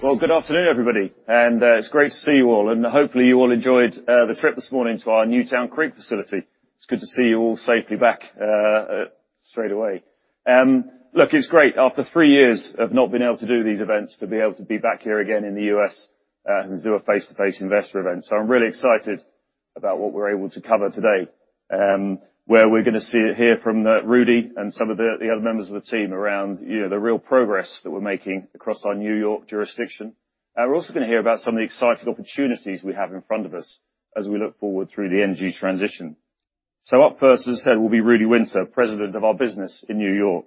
Well, good afternoon, everybody. It's great to see you all, and hopefully you all enjoyed the trip this morning to our Newtown Creek facility. It's good to see you all safely back straight away. Look, it's great, after three years of not being able to do these events, to be able to be back here again in the U.S., and do a face-to-face investor event. I'm really excited about what we're able to cover today, where we're gonna see and hear from Rudy and some of the other members of the team around, you know, the real progress that we're making across our New York jurisdiction. We're also gonna hear about some of the exciting opportunities we have in front of us as we look forward through the energy transition. Up first, as I said, will be Rudolph Wynter, President of our business in New York.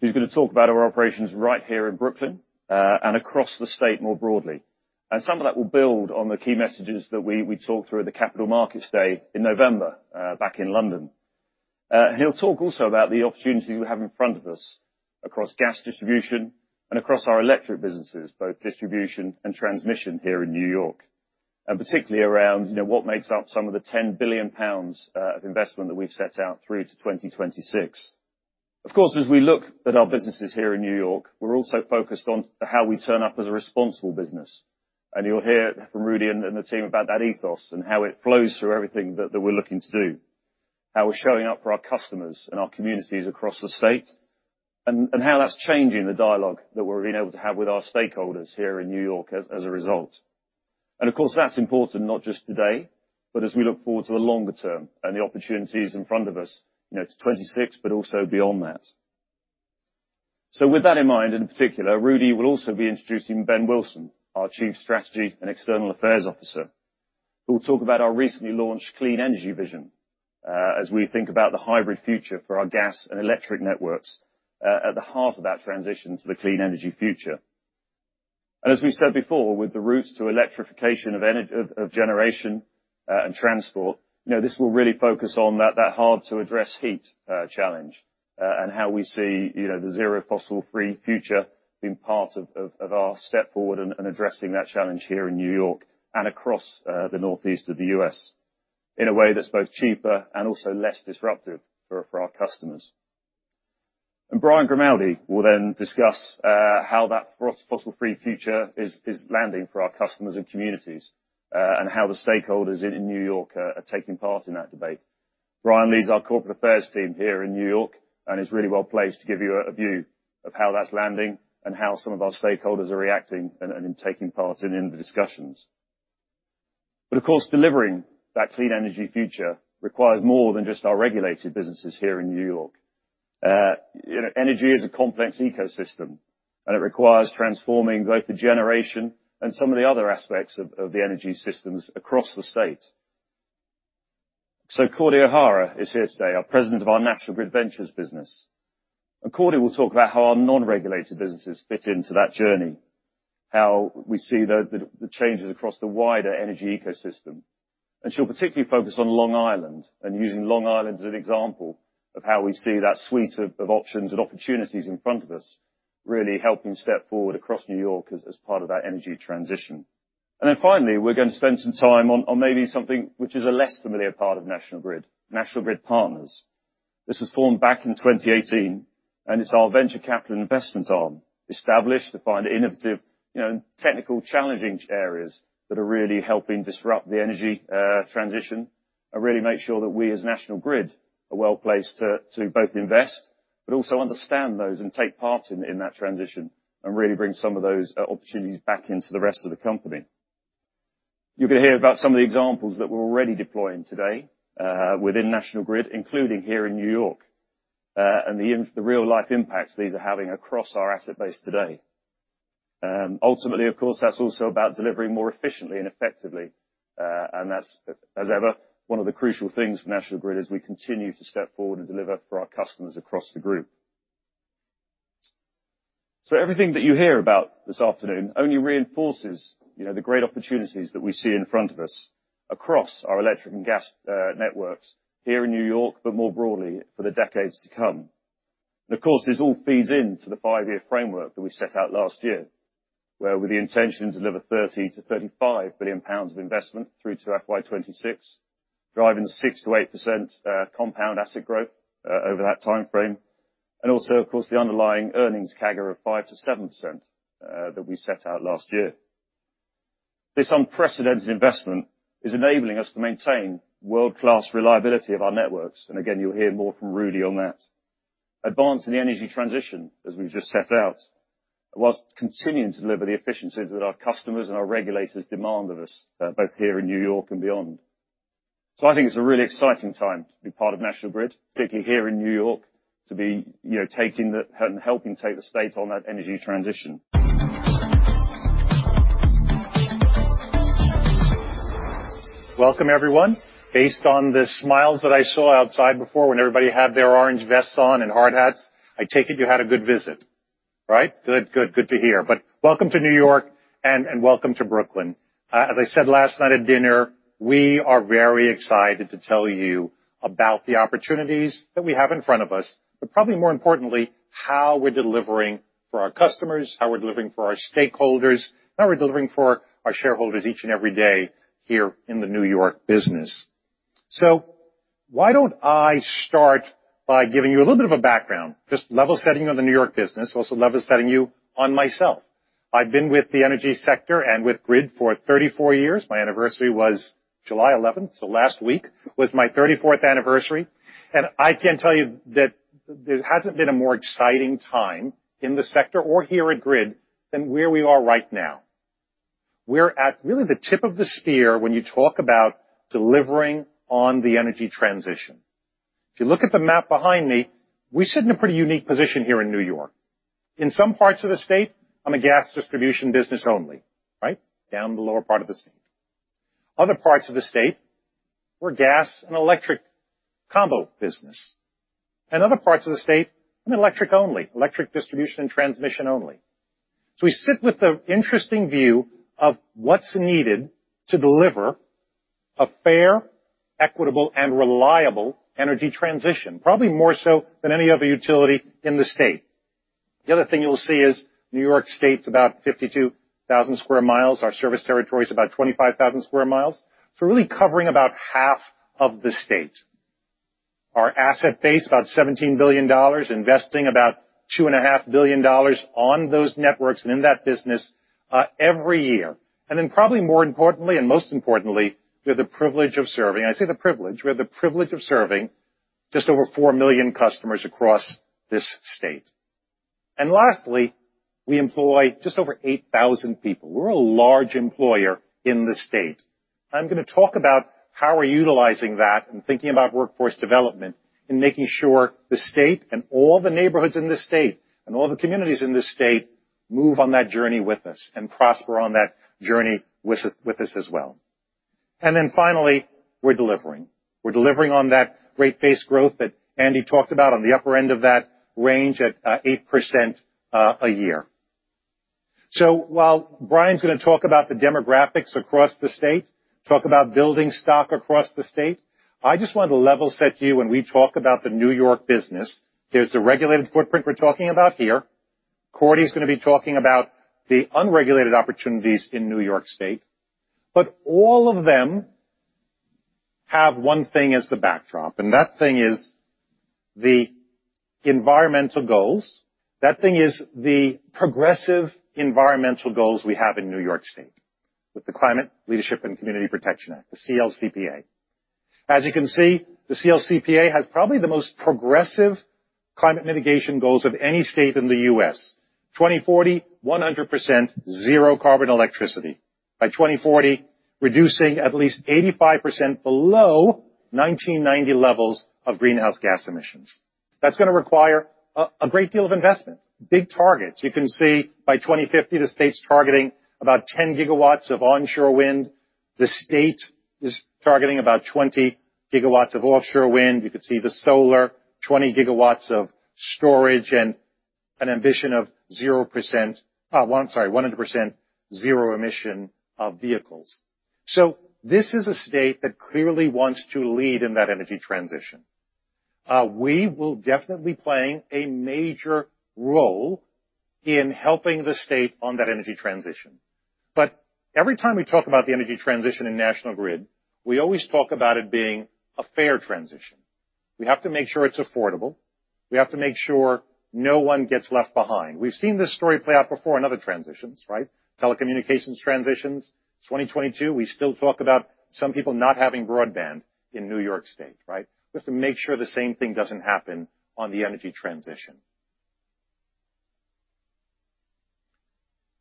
He's gonna talk about our operations right here in Brooklyn and across the state more broadly. Some of that will build on the key messages that we talked through at the Capital Markets Day in November back in London. He'll talk also about the opportunities we have in front of us across gas distribution and across our electric businesses, both distribution and transmission here in New York. Particularly around, you know, what makes up some of the 10 billion pounds of investment that we've set out through to 2026. Of course, as we look at our businesses here in New York, we're also focused on how we turn up as a responsible business, and you'll hear from Rudy and the team about that ethos and how it flows through everything that we're looking to do, how we're showing up for our customers and our communities across the state, and how that's changing the dialogue that we're being able to have with our stakeholders here in New York as a result. Of course, that's important not just today, but as we look forward to the longer term and the opportunities in front of us, you know, to 26, but also beyond that. With that in mind, in particular, Rudy will also be introducing Ben Wilson, our Chief Strategy and External Affairs Officer, who will talk about our recently launched clean energy vision, as we think about the hybrid future for our gas and electric networks at the heart of that transition to the clean energy future. As we said before, with the route to electrification of generation and transport, you know, this will really focus on that hard-to-address heat challenge and how we see, you know, the zero fossil free future being part of our step forward and addressing that challenge here in New York and across the northeast of the U.S. in a way that's both cheaper and also less disruptive for our customers. Bryan Grimaldi will then discuss how that fossil free future is landing for our customers and communities, and how the stakeholders in New York are taking part in that debate. Bryan leads our corporate affairs team here in New York and is really well placed to give you a view of how that's landing and how some of our stakeholders are reacting and in taking part in the discussions. Of course, delivering that clean energy future requires more than just our regulated businesses here in New York. You know, energy is a complex ecosystem, and it requires transforming both the generation and some of the other aspects of the energy systems across the state. Cordi O'Hara is here today, our President of our National Grid Ventures business. Cordi will talk about how our non-regulated businesses fit into that journey, how we see the changes across the wider energy ecosystem. She'll particularly focus on Long Island and using Long Island as an example of how we see that suite of options and opportunities in front of us, really helping step forward across New York as part of that energy transition. Then finally, we're gonna spend some time on maybe something which is a less familiar part of National Grid, National Grid Partners. This was formed back in 2018, and it's our venture capital investments arm, established to find innovative, you know, technically challenging areas that are really helping disrupt the energy transition and really make sure that we, as National Grid, are well-placed to both invest, but also understand those and take part in that transition and really bring some of those opportunities back into the rest of the company. You're gonna hear about some of the examples that we're already deploying today within National Grid, including here in New York, and the real-life impacts these are having across our asset base today. Ultimately, of course, that's also about delivering more efficiently and effectively, and that's, as ever, one of the crucial things for National Grid as we continue to step forward and deliver for our customers across the group. Everything that you hear about this afternoon only reinforces, you know, the great opportunities that we see in front of us across our electric and gas networks here in New York, but more broadly for the decades to come. Of course, this all feeds into the five-year framework that we set out last year, where with the intention to deliver 30 billion-35 billion pounds of investment through to FY 2026, driving 6%-8% compound asset growth over that timeframe, and also, of course, the underlying earnings CAGR of 5%-7% that we set out last year. This unprecedented investment is enabling us to maintain world-class reliability of our networks, and again, you'll hear more from Rudy on that. Advance in the energy transition, as we've just set out, while continuing to deliver the efficiencies that our customers and our regulators demand of us, both here in New York and beyond. I think it's a really exciting time to be part of National Grid, particularly here in New York, to be, you know, helping take the state on that energy transition. Welcome, everyone. Based on the smiles that I saw outside before when everybody had their orange vests on and hard hats, I take it you had a good visit, right? Good to hear. Welcome to New York and welcome to Brooklyn. As I said last night at dinner, we are very excited to tell you about the opportunities that we have in front of us, but probably more importantly, how we're delivering for our customers, how we're delivering for our stakeholders, how we're delivering for our shareholders each and every day here in the New York business. Why don't I start by giving you a little bit of a background, just level setting on the New York business, also level setting you on myself. I've been with the energy sector and with Grid for 34 years. My anniversary was July eleventh, so last week was my thirty-fourth anniversary. I can tell you that there hasn't been a more exciting time in the sector or here at National Grid than where we are right now. We're at really the tip of the spear when you talk about delivering on the energy transition. If you look at the map behind me, we sit in a pretty unique position here in New York. In some parts of the state, I'm a gas distribution business only, right? Down in the lower part of the state. Other parts of the state, we're gas and electric combo business. In other parts of the state, I'm electric only, electric distribution and transmission only. We sit with the interesting view of what's needed to deliver a fair, equitable, and reliable energy transition, probably more so than any other utility in the state. The other thing you'll see is New York State's about 52,000 sq mi. Our service territory is about 25,000 sq mi. We're really covering about half of the state. Our asset base, about $17 billion, investing about $2.5 billion on those networks and in that business every year. Probably more importantly, and most importantly, we have the privilege of serving just over four million customers across this state. Lastly, we employ just over eight thousand people. We're a large employer in the state. I'm gonna talk about how we're utilizing that and thinking about workforce development and making sure the state and all the neighborhoods in this state and all the communities in this state move on that journey with us and prosper on that journey with us as well. Then finally, we're delivering on that rate-based growth that Andy talked about on the upper end of that range at 8% a year. While Brian's gonna talk about the demographics across the state, talk about building stock across the state, I just want to level set you when we talk about the New York business, there's the regulated footprint we're talking about here. Cordi's gonna be talking about the unregulated opportunities in New York State. All of them have one thing as the backdrop, and that thing is the environmental goals. That thing is the progressive environmental goals we have in New York State with the Climate Leadership and Community Protection Act, the CLCPA. As you can see, the CLCPA has probably the most progressive climate mitigation goals of any state in the U.S. 2040, 100% zero carbon electricity. By 2040, reducing at least 85% below 1990 levels of greenhouse gas emissions. That's gonna require a great deal of investment. Big targets. You can see by 2050, the state's targeting about 10 GW of onshore wind. The state is targeting about 20 GW of offshore wind. You could see the solar, 20 GW of storage and an ambition of 100% zero-emission vehicles. This is a state that clearly wants to lead in that energy transition. We will definitely playing a major role in helping the state on that energy transition. Every time we talk about the energy transition in National Grid, we always talk about it being a fair transition. We have to make sure it's affordable. We have to make sure no one gets left behind. We've seen this story play out before in other transitions, right? Telecommunications transitions. 2022, we still talk about some people not having broadband in New York State, right? We have to make sure the same thing doesn't happen on the energy transition.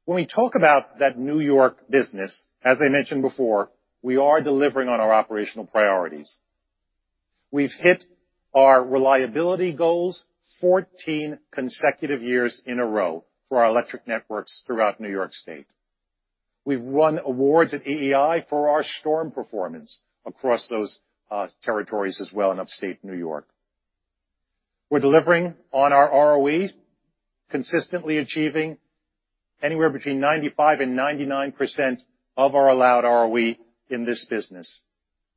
When we talk about that New York business, as I mentioned before, we are delivering on our operational priorities. We've hit our reliability goals 14 consecutive years in a row for our electric networks throughout New York State. We've won awards at EEI for our storm performance across those territories as well in Upstate New York. We're delivering on our ROE, consistently achieving anywhere between 95%-99% of our allowed ROE in this business.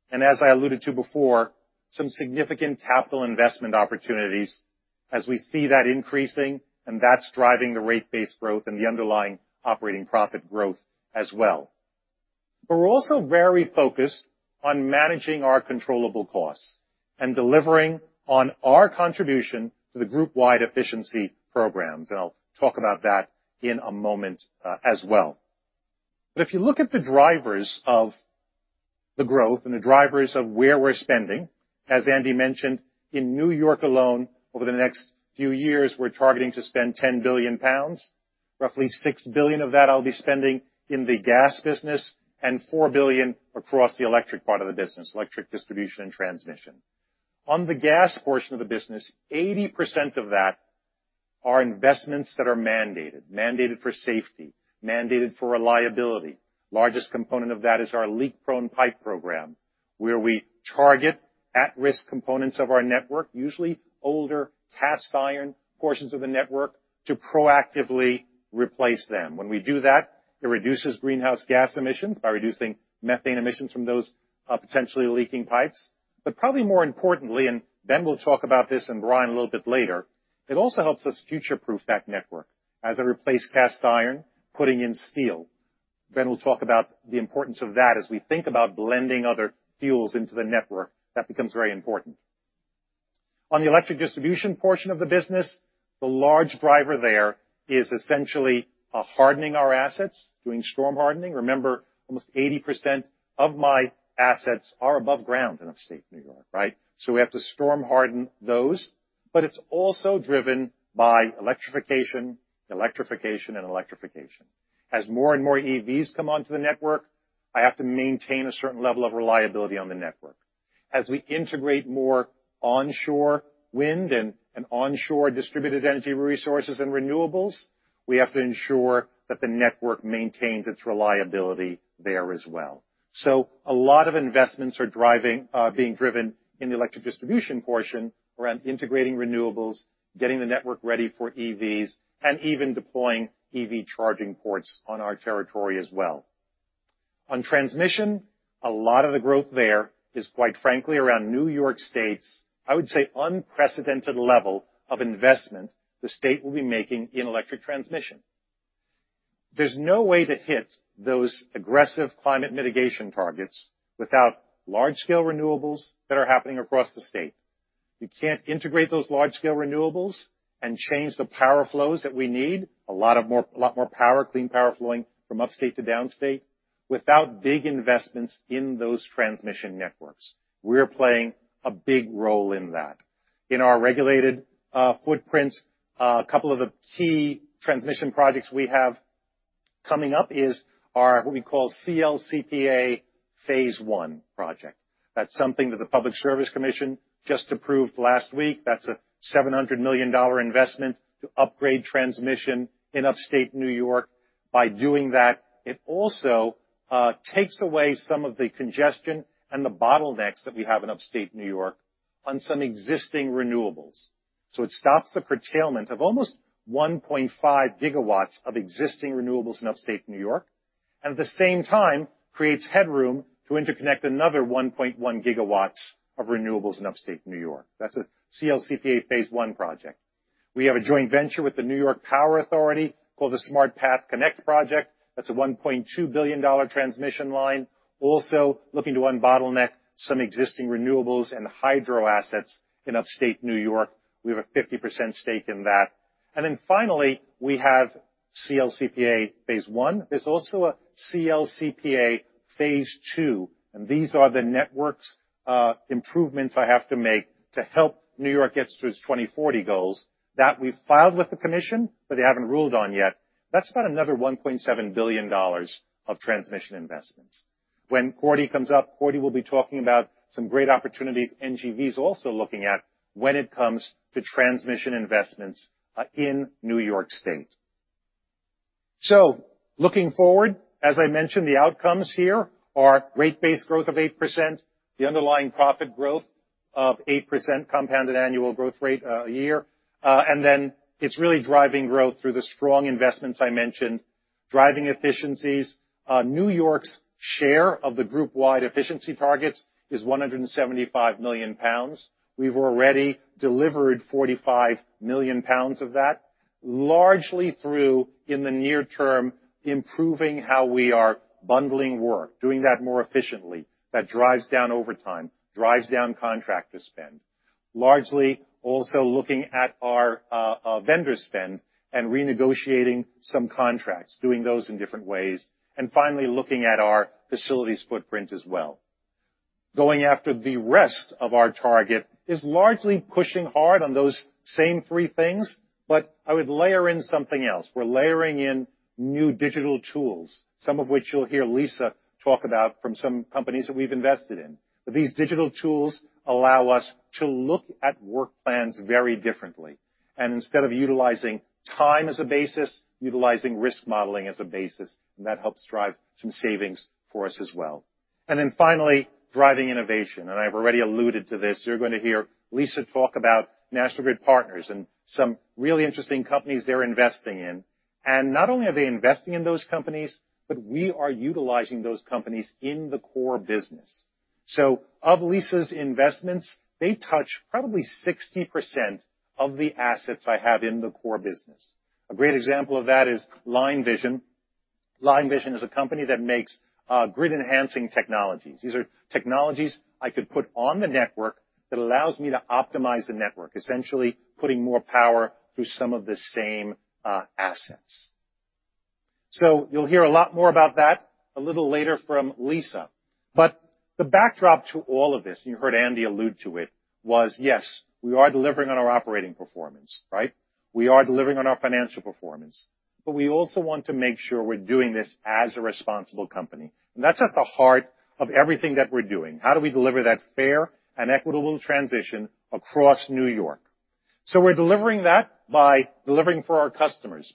As I alluded to before, some significant capital investment opportunities as we see that increasing, and that's driving the rate-based growth and the underlying operating profit growth as well. We're also very focused on managing our controllable costs and delivering on our contribution to the group-wide efficiency programs. I'll talk about that in a moment, as well. If you look at the drivers of the growth and the drivers of where we're spending, as Andy mentioned, in New York alone, over the next few years, we're targeting to spend 10 billion pounds. Roughly $6 billion of that I'll be spending in the gas business and $4 billion across the electric part of the business, electric distribution and transmission. On the gas portion of the business, 80% of that are investments that are mandated for safety, mandated for reliability. Largest component of that is our leak-prone pipe program, where we target at-risk components of our network, usually older cast iron portions of the network, to proactively replace them. When we do that, it reduces greenhouse gas emissions by reducing methane emissions from those, potentially leaking pipes. Probably more importantly, and Ben will talk about this and Brian a little bit later, it also helps us future-proof that network. As I replace cast iron, putting in steel. Ben will talk about the importance of that as we think about blending other fuels into the network, that becomes very important. On the electric distribution portion of the business, the large driver there is essentially hardening our assets, doing storm hardening. Remember, almost 80% of my assets are above ground in Upstate New York, right? We have to storm harden those. It's also driven by electrification. As more and more EVs come onto the network, I have to maintain a certain level of reliability on the network. As we integrate more onshore wind and onshore distributed energy resources and renewables, we have to ensure that the network maintains its reliability there as well. A lot of investments being driven in the electric distribution portion around integrating renewables, getting the network ready for EVs, and even deploying EV charging ports on our territory as well. On transmission, a lot of the growth there is, quite frankly, around New York State's, I would say, unprecedented level of investment the state will be making in electric transmission. There's no way to hit those aggressive climate mitigation targets without large-scale renewables that are happening across the state. You can't integrate those large-scale renewables and change the power flows that we need, a lot more power, clean power flowing from upstate to downstate, without big investments in those transmission networks. We're playing a big role in that. In our regulated footprint, a couple of the key transmission projects we have coming up is our, what we call CLCPA Phase One project. That's something that the Public Service Commission just approved last week. That's a $700 million investment to upgrade transmission in Upstate New York. By doing that, it also takes away some of the congestion and the bottlenecks that we have in Upstate New York on some existing renewables. It stops the curtailment of almost 1.5 gigawatts of existing renewables in Upstate New York, and at the same time, creates headroom to interconnect another 1.1 gigawatts of renewables in Upstate New York. That's a CLCPA Phase One project. We have a joint venture with the New York Power Authority called the Smart Path Connect project. That's a $1.2 billion transmission line. Also looking to unbottleneck some existing renewables and hydro assets in Upstate New York. We have a 50% stake in that. Then finally, we have CLCPA Phase One. There's also a CLCPA Phase Two, and these are the network's improvements I have to make to help New York get to its 2040 goals that we've filed with the commission, but they haven't ruled on yet. That's about another $1.7 billion of transmission investments. When Cordi comes up, Cordy will be talking about some great opportunities NGV is also looking at when it comes to transmission investments in New York State. Looking forward, as I mentioned, the outcomes here are rate base growth of 8%, the underlying profit growth of 8% compounded annual growth rate a year. It's really driving growth through the strong investments I mentioned, driving efficiencies. New York's share of the group-wide efficiency targets is 175 million pounds. We've already delivered 45 million pounds of that, largely through, in the near term, improving how we are bundling work, doing that more efficiently. That drives down overtime, drives down contractor spend. Largely also looking at our vendor spend and renegotiating some contracts, doing those in different ways. Finally, looking at our facilities footprint as well. Going after the rest of our target is largely pushing hard on those same three things, but I would layer in something else. We're layering in new digital tools, some of which you'll hear Lisa talk about from some companies that we've invested in. These digital tools allow us to look at work plans very differently. Instead of utilizing time as a basis, utilizing risk modeling as a basis, and that helps drive some savings for us as well. Finally, driving innovation, and I've already alluded to this. You're gonna hear Lisa talk about National Grid Partners and some really interesting companies they're investing in. Not only are they investing in those companies, but we are utilizing those companies in the core business. Of Lisa's investments, they touch probably 60% of the assets I have in the core business. A great example of that is LineVision. LineVision is a company that makes grid-enhancing technologies. These are technologies I could put on the network that allows me to optimize the network, essentially putting more power through some of the same assets. You'll hear a lot more about that a little later from Lisa. The backdrop to all of this, and you heard Andy allude to it, was, yes, we are delivering on our operating performance, right? We are delivering on our financial performance. We also want to make sure we're doing this as a responsible company, and that's at the heart of everything that we're doing. How do we deliver that fair and equitable transition across New York? We're delivering that by delivering for our customers,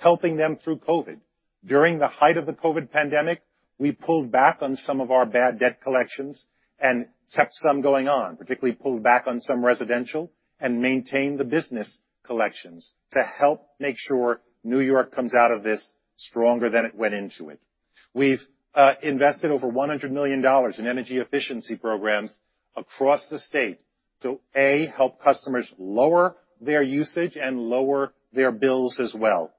helping them through COVID. During the height of the COVID pandemic, we pulled back on some of our bad debt collections and kept some going on, particularly pulled back on some residential and maintained the business collections to help make sure New York comes out of this stronger than it went into it. We've invested over $100 million in energy efficiency programs across the state to help customers lower their usage and lower their bills as well.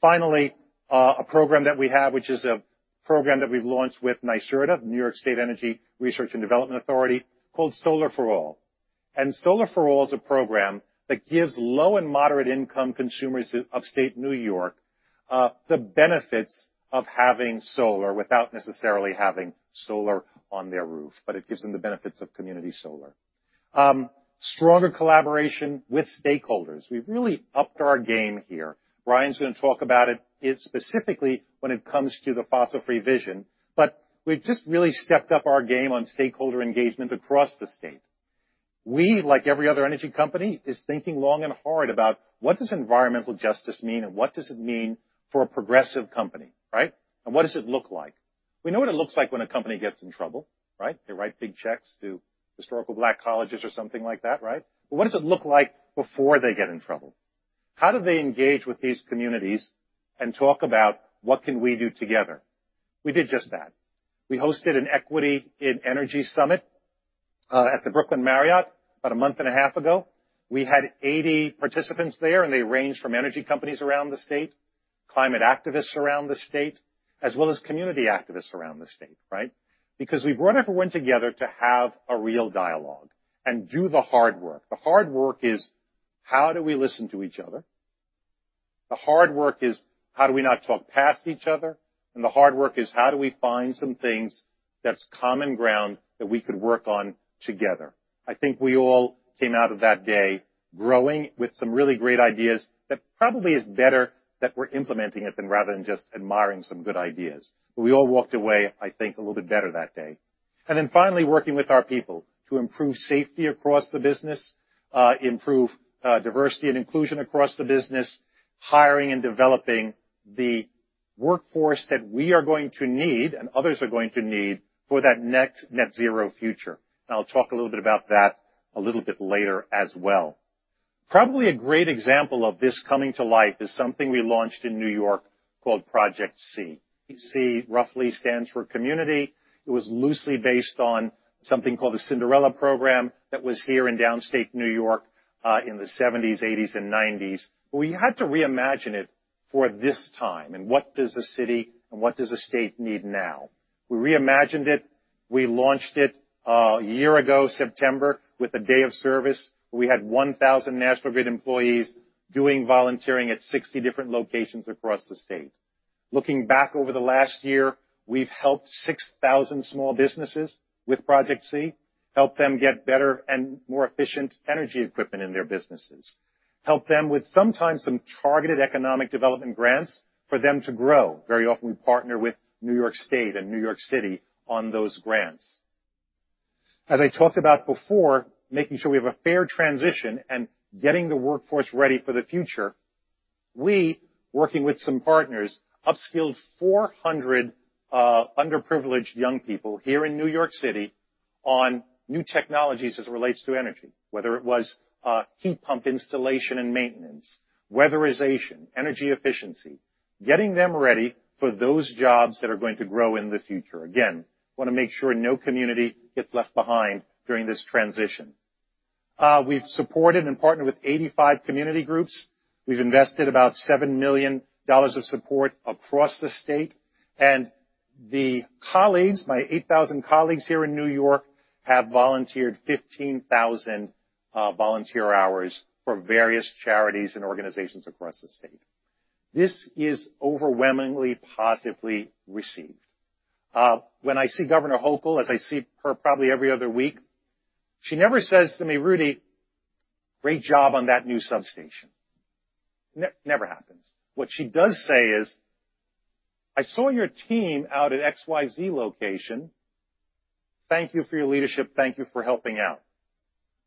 Finally, a program that we have, which is a program that we've launched with NYSERDA, New York State Energy Research and Development Authority, called Solar for All. Solar for All is a program that gives low and moderate-income consumers of the state of New York the benefits of having solar without necessarily having solar on their roof, but it gives them the benefits of community solar. Stronger collaboration with stakeholders. We've really upped our game here. Brian's gonna talk about it specifically when it comes to the fossil-free vision. We've just really stepped up our game on stakeholder engagement across the state. We, like every other energy company, is thinking long and hard about what does environmental justice mean, and what does it mean for a progressive company, right? What does it look like? We know what it looks like when a company gets in trouble, right? They write big checks to historically Black colleges or something like that, right? What does it look like before they get in trouble? How do they engage with these communities and talk about what can we do together? We did just that. We hosted an Equity in Energy Summit at the Brooklyn Marriott about a month and a half ago. We had 80 participants there, and they ranged from energy companies around the state, climate activists around the state, as well as community activists around the state, right? Because we brought everyone together to have a real dialogue and do the hard work. The hard work is how do we listen to each other? The hard work is how do we not talk past each other? The hard work is how do we find some things that's common ground that we could work on together? I think we all came out of that day growing with some really great ideas that probably is better that we're implementing it than rather than just admiring some good ideas. We all walked away, I think, a little bit better that day. Then finally, working with our people to improve safety across the business, improve diversity and inclusion across the business, hiring and developing the workforce that we are going to need and others are going to need for that next net zero future. I'll talk a little bit about that a little bit later as well. Probably a great example of this coming to life is something we launched in New York called Project C. C roughly stands for community. It was loosely based on something called the Cinderella Program that was here in downstate New York in the 1970s, 1980s, and 1990s. We had to reimagine it for this time, and what does the city and what does the state need now? We reimagined it. We launched it a year ago, September, with a day of service. We had 1,000 National Grid employees doing volunteering at 60 different locations across the state. Looking back over the last year, we've helped 6,000 small businesses with Project C, helped them get better and more efficient energy equipment in their businesses, helped them with sometimes some targeted economic development grants for them to grow. Very often, we partner with New York State and New York City on those grants. As I talked about before, making sure we have a fair transition and getting the workforce ready for the future, we, working with some partners, upskilled 400 underprivileged young people here in New York City on new technologies as it relates to energy, whether it was heat pump installation and maintenance, weatherization, energy efficiency, getting them ready for those jobs that are going to grow in the future. Again, wanna make sure no community gets left behind during this transition. We've supported and partnered with 85 community groups. We've invested about $7 million of support across the state. The colleagues, my 8,000 colleagues here in New York, have volunteered 15,000 volunteer hours for various charities and organizations across the state. This is overwhelmingly positively received. When I see Governor Hochul, as I see her probably every other week, she never says to me, "Rudy, great job on that new substation." Never happens. What she does say is, "I saw your team out at XYZ location. Thank you for your leadership. Thank you for helping out."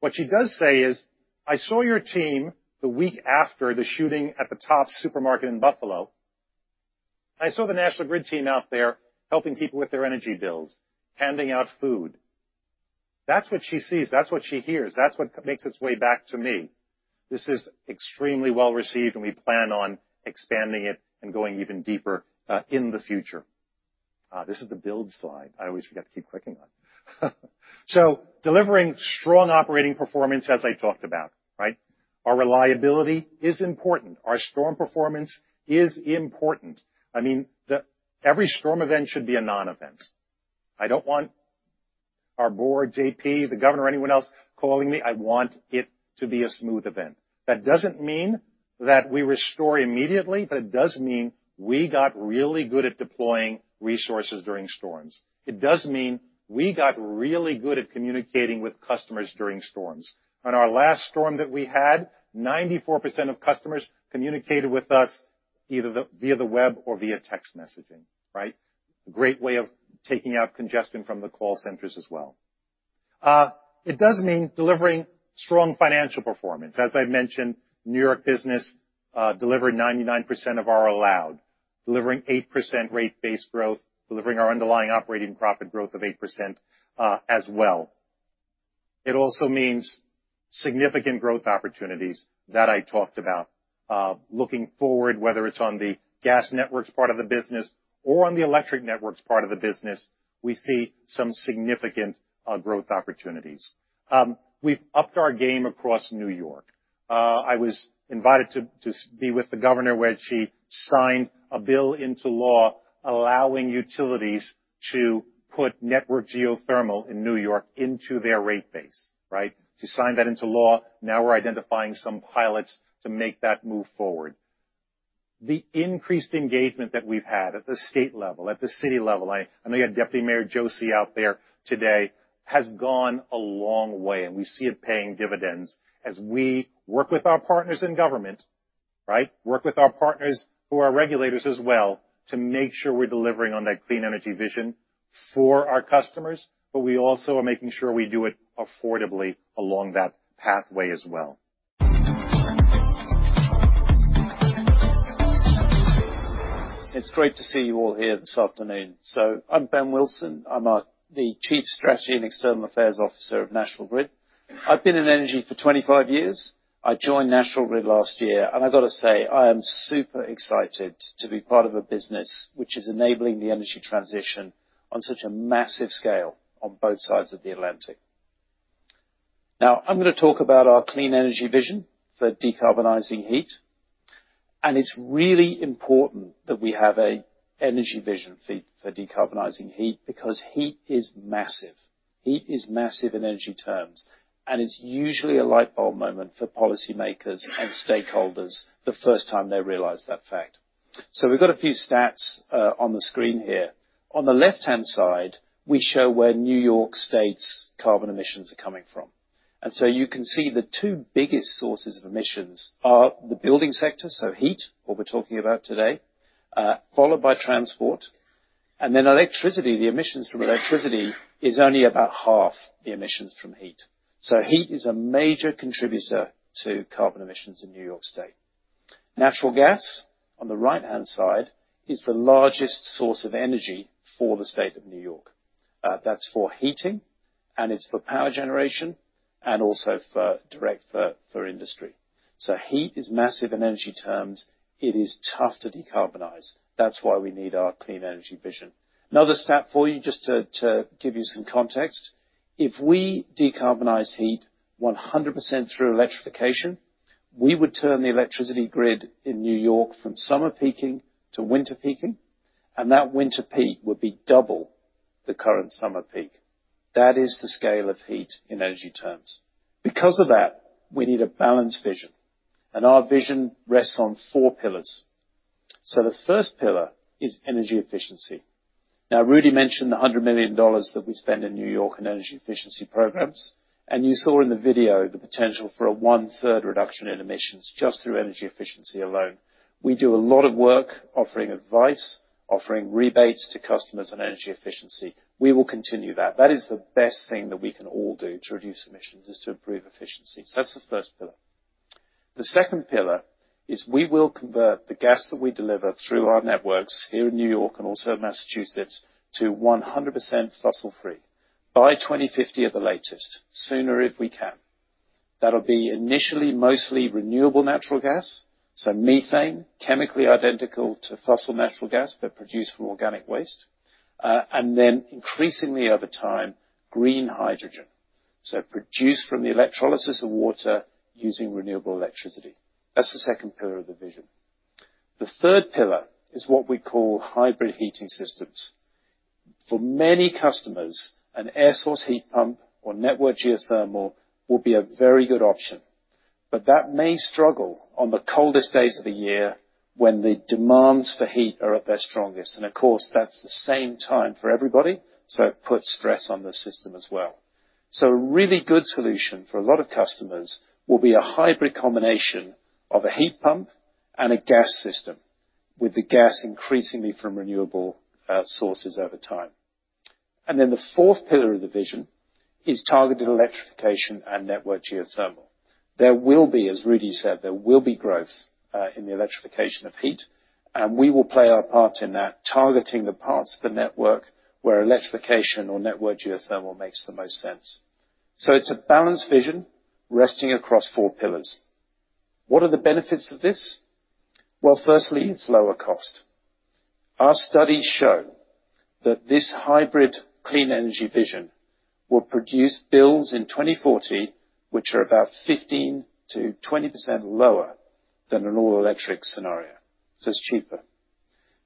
What she does say is, "I saw your team the week after the shooting at the Tops supermarket in Buffalo. I saw the National Grid team out there helping people with their energy bills, handing out food." That's what she sees. That's what she hears. That's what makes its way back to me. This is extremely well-received, and we plan on expanding it and going even deeper in the future. This is the build slide I always forget to keep clicking on. Delivering strong operating performance as I talked about, right? Our reliability is important. Our storm performance is important. I mean, every storm event should be a non-event. I don't want our board, JP, the governor, or anyone else calling me. I want it to be a smooth event. That doesn't mean that we restore immediately, but it does mean we got really good at deploying resources during storms. It does mean we got really good at communicating with customers during storms. On our last storm that we had, 94% of customers communicated with us either via the web or via text messaging, right? A great way of taking out congestion from the call centers as well. It does mean delivering strong financial performance. As I mentioned, New York business, delivered 99% of our allowed, delivering 8% rate base growth, delivering our underlying operating profit growth of 8%, as well. It also means significant growth opportunities that I talked about. Looking forward, whether it's on the gas networks part of the business or on the electric networks part of the business, we see some significant growth opportunities. We've upped our game across New York. I was invited to be with the Governor when she signed a bill into law allowing utilities to put networked geothermal in New York into their rate base, right? She signed that into law. Now we're identifying some pilots to make that move forward. The increased engagement that we've had at the state level, at the city level, I know you had Deputy Mayor Joshi out there today, has gone a long way, and we see it paying dividends as we work with our partners in government, right, work with our partners who are regulators as well, to make sure we're delivering on that clean energy vision for our customers, but we also are making sure we do it affordably along that pathway as well. It's great to see you all here this afternoon. I'm Ben Wilson. I'm the Chief Strategy and External Affairs Officer of National Grid. I've been in energy for 25 years. I joined National Grid last year, and I've got to say, I am super excited to be part of a business which is enabling the energy transition on such a massive scale on both sides of the Atlantic. Now, I'm gonna talk about our clean energy vision for decarbonizing heat, and it's really important that we have an energy vision for decarbonizing heat because heat is massive. Heat is massive in energy terms, and it's usually a light bulb moment for policymakers and stakeholders the first time they realize that fact. We've got a few stats on the screen here. On the left-hand side, we show where New York State's carbon emissions are coming from. You can see the two biggest sources of emissions are the building sector, so heat, what we're talking about today, followed by transport. Electricity, the emissions from electricity is only about half the emissions from heat. Heat is a major contributor to carbon emissions in New York State. Natural gas, on the right-hand side, is the largest source of energy for the state of New York. That's for heating, and it's for power generation, and also for direct for industry. Heat is massive in energy terms. It is tough to decarbonize. That's why we need our clean energy vision. Another stat for you just to give you some context. If we decarbonize heat 100% through electrification, we would turn the electricity grid in New York from summer peaking to winter peaking, and that winter peak would be double the current summer peak. That is the scale of heat in energy terms. Because of that, we need a balanced vision, and our vision rests on four pillars. The first pillar is energy efficiency. Now, Rudy mentioned the $100 million that we spend in New York on energy efficiency programs, and you saw in the video the potential for a one-third reduction in emissions just through energy efficiency alone. We do a lot of work offering advice, offering rebates to customers on energy efficiency. We will continue that. That is the best thing that we can all do to reduce emissions, is to improve efficiency. That's the first pillar. The second pillar is we will convert the gas that we deliver through our networks here in New York and also Massachusetts to 100% fossil-free by 2050 at the latest, sooner if we can. That'll be initially mostly renewable natural gas, so methane, chemically identical to fossil natural gas, but produced from organic waste, and then increasingly over time, green hydrogen, so produced from the electrolysis of water using renewable electricity. That's the second pillar of the vision. The third pillar is what we call hybrid heating systems. For many customers, an air source heat pump or network geothermal will be a very good option. But that may struggle on the coldest days of the year when the demands for heat are at their strongest. Of course, that's the same time for everybody, so it puts stress on the system as well. A really good solution for a lot of customers will be a hybrid combination of a heat pump and a gas system, with the gas increasingly from renewable sources over time. The fourth pillar of the vision is targeted electrification and networked geothermal. There will be, as Rudy said, growth in the electrification of heat, and we will play our part in that, targeting the parts of the network where electrification or networked geothermal makes the most sense. It's a balanced vision resting across four pillars. What are the benefits of this? Well, firstly, it's lower cost. Our studies show that this hybrid clean energy vision will produce bills in 2040, which are about 15%-20% lower than an all-electric scenario, so it's cheaper.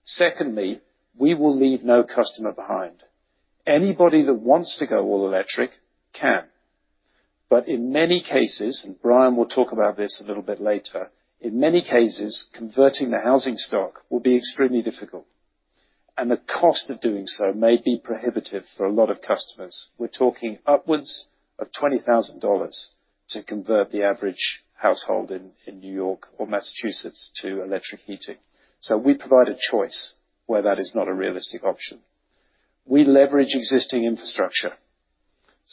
Secondly, we will leave no customer behind. Anybody that wants to go all electric can, but in many cases, and Brian will talk about this a little bit later, in many cases, converting the housing stock will be extremely difficult, and the cost of doing so may be prohibitive for a lot of customers. We're talking upwards of $20,000 to convert the average household in New York or Massachusetts to electric heating. We provide a choice where that is not a realistic option. We leverage existing infrastructure.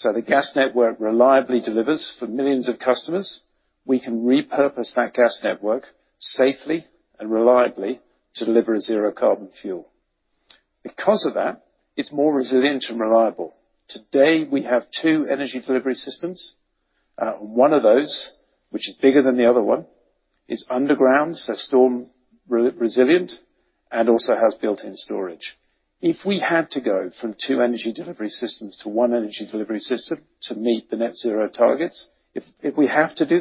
The gas network reliably delivers for millions of customers. We can repurpose that gas network safely and reliably to deliver zero carbon fuel. Because of that, it's more resilient and reliable. Today, we have two energy delivery systems. One of those, which is bigger than the other one, is underground, so storm resilient, and also has built-in storage. If we had to go from two energy delivery systems to one energy delivery system to meet the net zero targets, if we have to do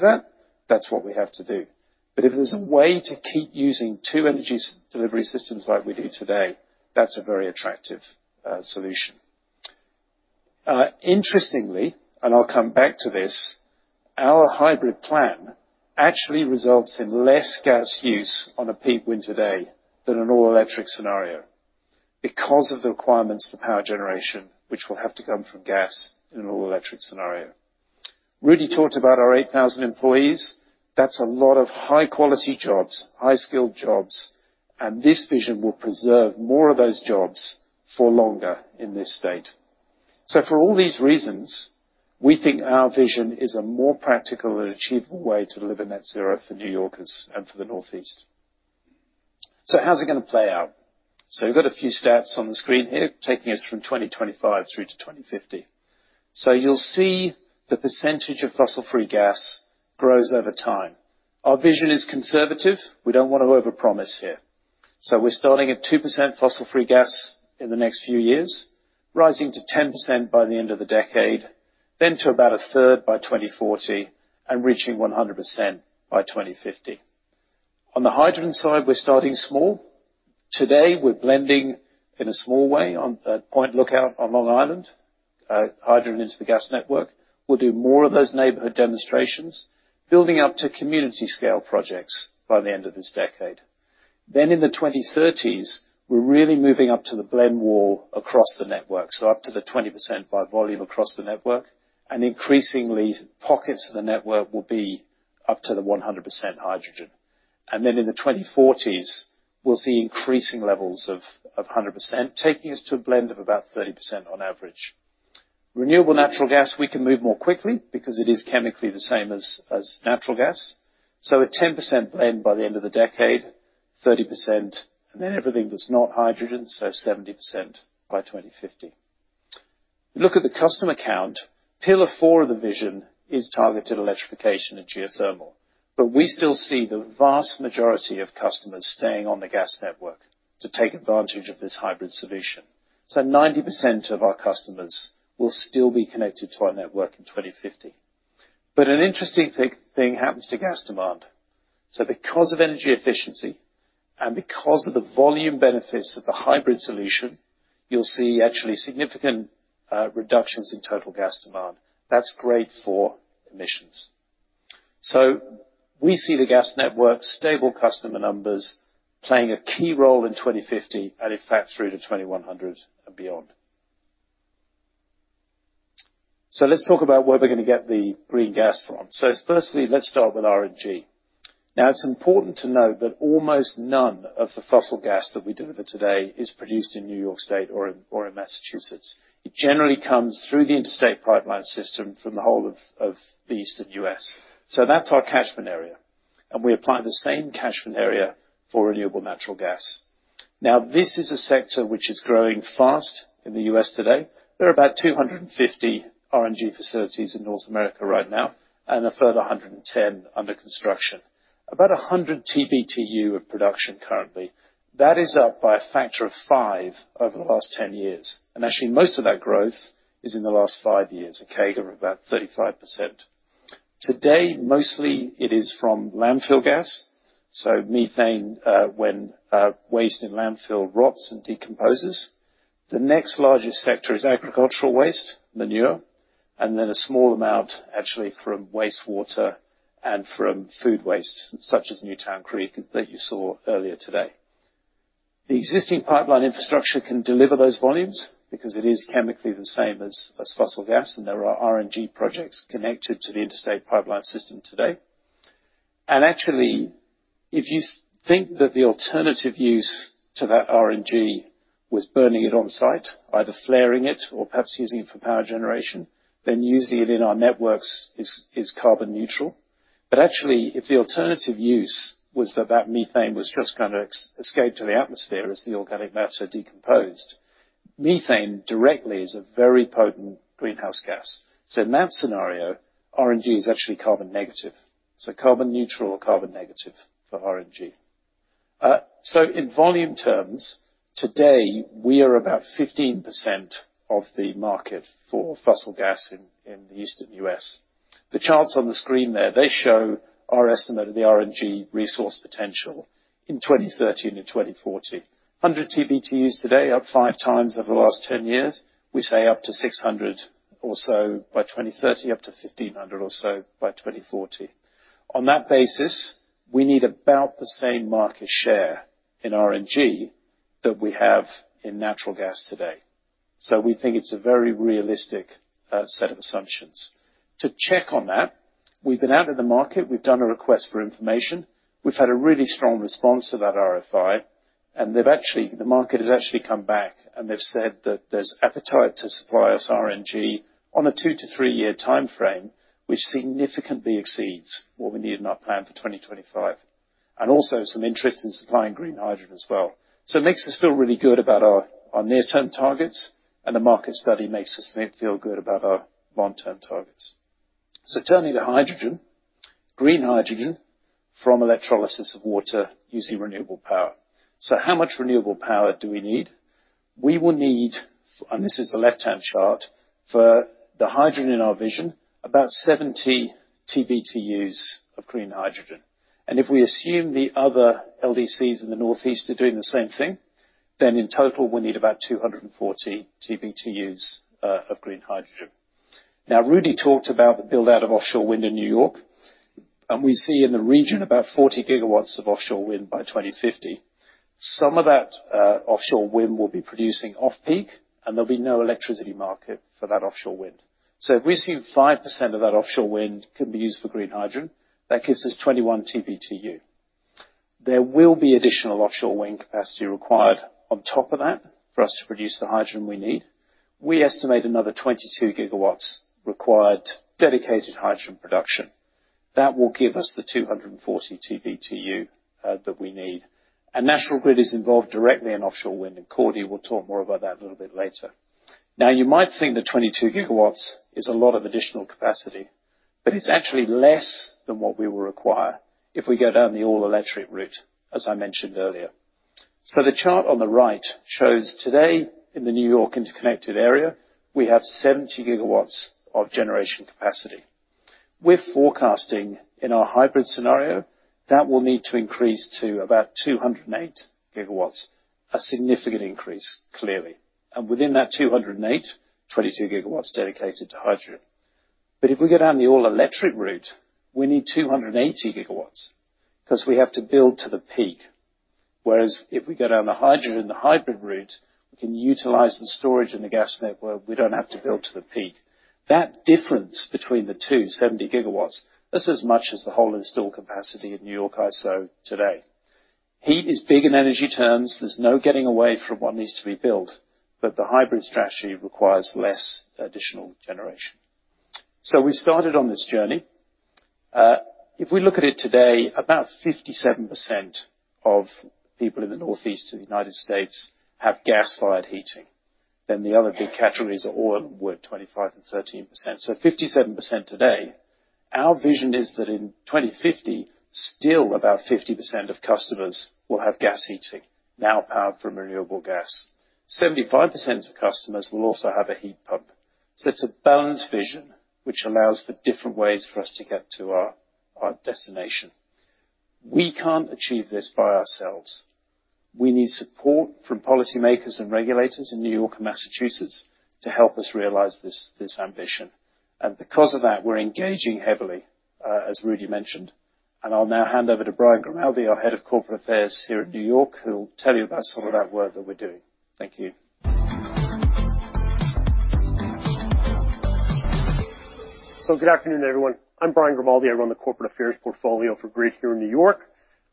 that's what we have to do. If there's a way to keep using two energy delivery systems like we do today, that's a very attractive solution. Interestingly, I'll come back to this, our hybrid plan actually results in less gas use on a peak winter day than an all-electric scenario because of the requirements for power generation, which will have to come from gas in an all-electric scenario. Rudy talked about our 8,000 employees. That's a lot of high-quality jobs, high-skilled jobs, and this vision will preserve more of those jobs for longer in this state. For all these reasons, we think our vision is a more practical and achievable way to deliver net zero for New Yorkers and for the Northeast. How's it gonna play out? We've got a few stats on the screen here, taking us from 2025 through to 2050. You'll see the percentage of fossil-free gas grows over time. Our vision is conservative. We don't want to overpromise here. We're starting at 2% fossil-free gas in the next few years, rising to 10% by the end of the decade, then to about a third by 2040, and reaching 100% by 2050. On the hydrogen side, we're starting small. Today, we're blending in a small way on Point Look-In on Long Island, hydrogen into the gas network. We'll do more of those neighborhood demonstrations, building up to community scale projects by the end of this decade. In the 2030s, we're really moving up to the blend wall across the network, so up to the 20% by volume across the network, and increasingly, pockets of the network will be up to the 100% hydrogen. In the 2040s, we'll see increasing levels of 100%, taking us to a blend of about 30% on average. Renewable natural gas, we can move more quickly because it is chemically the same as natural gas. A 10% blend by the end of the decade, 30%, and then everything that's not hydrogen, so 70% by 2050. Look at the customer count. Pillar four of the vision is targeted electrification and geothermal. We still see the vast majority of customers staying on the gas network to take advantage of this hybrid solution, so 90% of our customers will still be connected to our network in 2050. An interesting thing happens to gas demand. Because of energy efficiency and because of the volume benefits of the hybrid solution, you'll see actually significant reductions in total gas demand. That's great for emissions. We see the gas network's stable customer numbers playing a key role in 2050, and in fact through to 2100 and beyond. Let's talk about where we're gonna get the green gas from. Firstly, let's start with RNG. Now, it's important to note that almost none of the fossil gas that we deliver today is produced in New York State or in Massachusetts. It generally comes through the interstate pipeline system from the whole of the Eastern U.S. That's our catchment area, and we apply the same catchment area for renewable natural gas. This is a sector which is growing fast in the U.S. today. There are about 250 RNG facilities in North America right now and a further 110 under construction. About 100 TBTU of production currently. That is up by a factor of five over the last 10 years. Actually, most of that growth is in the last five years, a CAGR of about 35%. Today, mostly it is from landfill gas, so methane, when waste in landfill rots and decomposes. The next largest sector is agricultural waste, manure, and then a small amount actually from wastewater and from food waste, such as Newtown Creek that you saw earlier today. The existing pipeline infrastructure can deliver those volumes because it is chemically the same as fossil gas, and there are RNG projects connected to the interstate pipeline system today. Actually, if you think that the alternative use to that RNG was burning it on site, either flaring it or perhaps using it for power generation, then using it in our networks is carbon neutral. Actually, if the alternative use was that methane was just gonna escape to the atmosphere as the organic matter decomposed, methane directly is a very potent greenhouse gas. In that scenario, RNG is actually carbon negative. Carbon neutral or carbon negative for RNG. In volume terms, today, we are about 15% of the market for fossil gas in the Eastern US. The charts on the screen there, they show our estimate of the RNG resource potential in 2030 and in 2040. 100 TBTUs today, up 5 times over the last 10 years. We say up to 600 or so by 2030, up to 1,500 or so by 2040. On that basis, we need about the same market share in RNG that we have in natural gas today. We think it's a very realistic set of assumptions. To check on that, we've been out in the market, we've done a request for information. We've had a really strong response to that RFI, and the market has actually come back, and they've said that there's appetite to supply us RNG on a two-three-year timeframe, which significantly exceeds what we need in our plan for 2025. Also some interest in supplying green hydrogen as well. It makes us feel really good about our near-term targets, and the market study makes us feel good about our long-term targets. Turning to hydrogen. Green hydrogen from electrolysis of water using renewable power. How much renewable power do we need? We will need, and this is the left-hand chart, for the hydrogen in our vision, about 70 TBTUs of green hydrogen. If we assume the other LDCs in the Northeast are doing the same thing, then in total, we'll need about 240 TBTUs of green hydrogen. Now, Rudy talked about the build-out of offshore wind in New York, and we see in the region about 40 gigawatts of offshore wind by 2050. Some of that, offshore wind will be producing off-peak, and there'll be no electricity market for that offshore wind. If we assume 5% of that offshore wind can be used for green hydrogen, that gives us 21 TBTU. There will be additional offshore wind capacity required on top of that for us to produce the hydrogen we need. We estimate another 22 gigawatts required dedicated hydrogen production. That will give us the 240 TBTU that we need. National Grid is involved directly in offshore wind, and Cordia will talk more about that a little bit later. You might think that 22 gigawatts is a lot of additional capacity, but it's actually less than what we will require if we go down the all-electric route, as I mentioned earlier. The chart on the right shows today in the New York interconnected area, we have 70 gigawatts of generation capacity. We're forecasting in our hybrid scenario, that will need to increase to about 208 gigawatts. A significant increase, clearly. Within that 208, 22 gigawatts dedicated to hydrogen. If we go down the all-electric route, we need 280 gigawatts 'cause we have to build to the peak. Whereas if we go down the hydrogen, the hybrid route, we can utilize the storage in the gas network, we don't have to build to the peak. That difference between the two, 70 gigawatts, that's as much as the whole installed capacity in NYISO today. Heat is big in energy terms. There's no getting away from what needs to be built, but the hybrid strategy requires less additional generation. We started on this journey. If we look at it today, about 57% of people in the Northeast of the United States have gas-fired heating. Then the other big categories are oil, wood, 25% and 13%. 57% today. Our vision is that in 2050, still about 50% of customers will have gas heating, now powered from renewable gas. 75% of customers will also have a heat pump. It's a balanced vision, which allows for different ways for us to get to our destination. We can't achieve this by ourselves. We need support from policymakers and regulators in New York and Massachusetts to help us realize this ambition. Because of that, we're engaging heavily, as Rudy mentioned, and I'll now hand over to Bryan Grimaldi, our head of corporate affairs here at New York, who will tell you about some of that work that we're doing. Thank you. Good afternoon, everyone. I'm Bryan Grimaldi. I run the corporate affairs portfolio for Grid here in New York.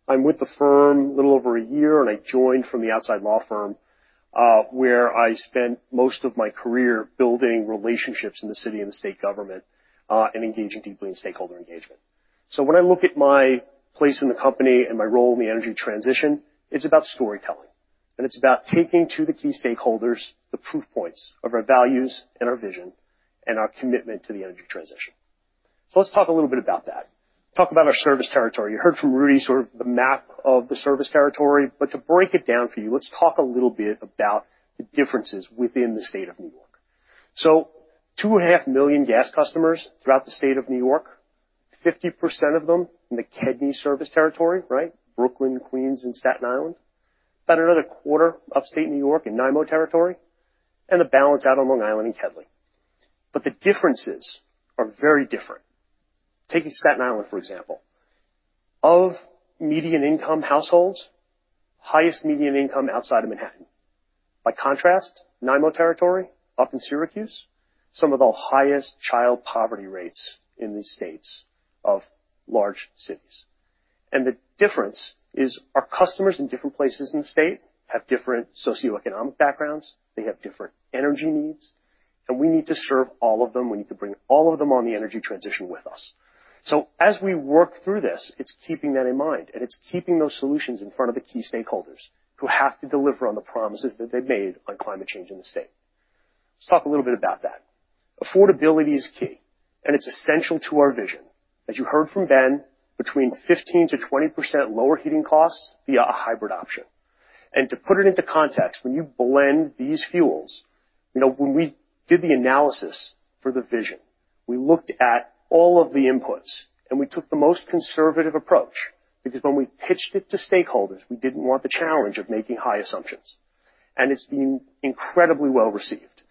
I'm with the firm a little over a year, and I joined from the outside law firm, where I spent most of my career building relationships in the city and the state government, and engaging deeply in stakeholder engagement. When I look at my place in the company and my role in the energy transition, it's about storytelling, and it's about taking to the key stakeholders the proof points of our values and our vision and our commitment to the energy transition. Let's talk a little bit about that. Talk about our service territory. You heard from Rudy sort of the map of the service territory. To break it down for you, let's talk a little bit about the differences within the state of New York. 2.5 million gas customers throughout the state of New York, 50% of them in the KEDNY service territory, right? Brooklyn, Queens, and Staten Island. About another quarter, Upstate New York in NIMO territory, and the balance out on Long Island in KEDLI. The differences are very different. Taking Staten Island, for example. Of median income households, highest median income outside of Manhattan. By contrast, NIMO territory up in Syracuse, some of the highest child poverty rates in the state of large cities. The difference is our customers in different places in the state have different socioeconomic backgrounds, they have different energy needs, and we need to serve all of them. We need to bring all of them on the energy transition with us. As we work through this, it's keeping that in mind, and it's keeping those solutions in front of the key stakeholders who have to deliver on the promises that they've made on climate change in the state. Let's talk a little bit about that. Affordability is key, and it's essential to our vision. As you heard from Ben, between 15%-20% lower heating costs via a hybrid option. To put it into context, when you blend these fuels, you know, when we did the analysis for the vision, we looked at all of the inputs, and we took the most conservative approach, because when we pitched it to stakeholders, we didn't want the challenge of making high assumptions. It's been incredibly well-received.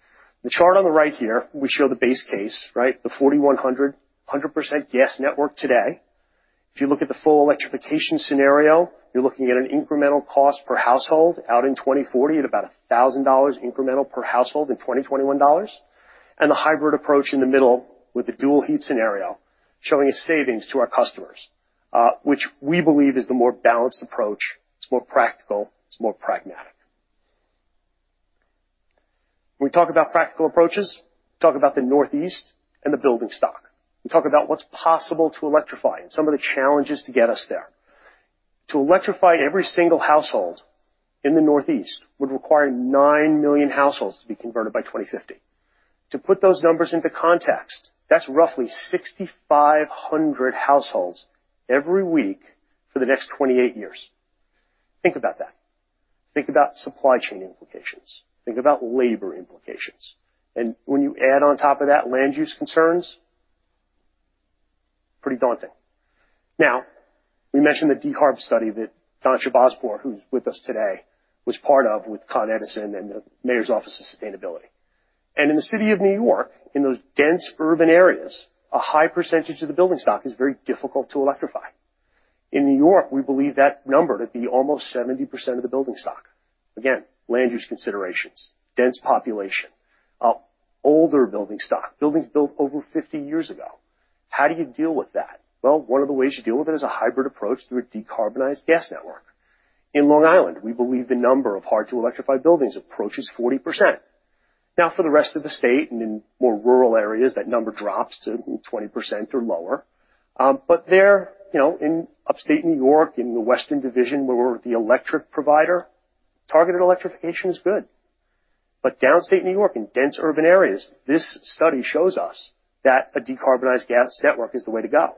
The chart on the right here, we show the base case, right, the 4100,100% gas network today. If you look at the full electrification scenario, you're looking at an incremental cost per household out in 2040 at about $1,000 incremental per household in 2021 dollars. The hybrid approach in the middle with the dual heat scenario showing a savings to our customers, which we believe is the more balanced approach. It's more practical, it's more pragmatic. We talk about practical approaches, talk about the Northeast and the building stock. We talk about what's possible to electrify and some of the challenges to get us there. To electrify every single household in the Northeast would require 9 million households to be converted by 2050. To put those numbers into context, that's roughly 6,500 households every week for the next 28 years. Think about that. Think about supply chain implications. Think about labor implications. When you add on top of that land use concerns, pretty daunting. Now, we mentioned the decarb study that Don Chahbazlameh, who's with us today, was part of with Con Edison and the Mayor's Office of Sustainability. In the city of New York, in those dense urban areas, a high percentage of the building stock is very difficult to electrify. In New York, we believe that number to be almost 70% of the building stock. Again, land use considerations, dense population, older building stock, buildings built over 50 years ago. How do you deal with that? Well, one of the ways you deal with it is a hybrid approach through a decarbonized gas network. In Long Island, we believe the number of hard to electrify buildings approaches 40%. Now for the rest of the state and in more rural areas, that number drops to 20% or lower. There, you know, in Upstate New York, in the Western Division, where we're the electric provider, targeted electrification is good. Downstate New York, in dense urban areas, this study shows us that a decarbonized gas network is the way to go.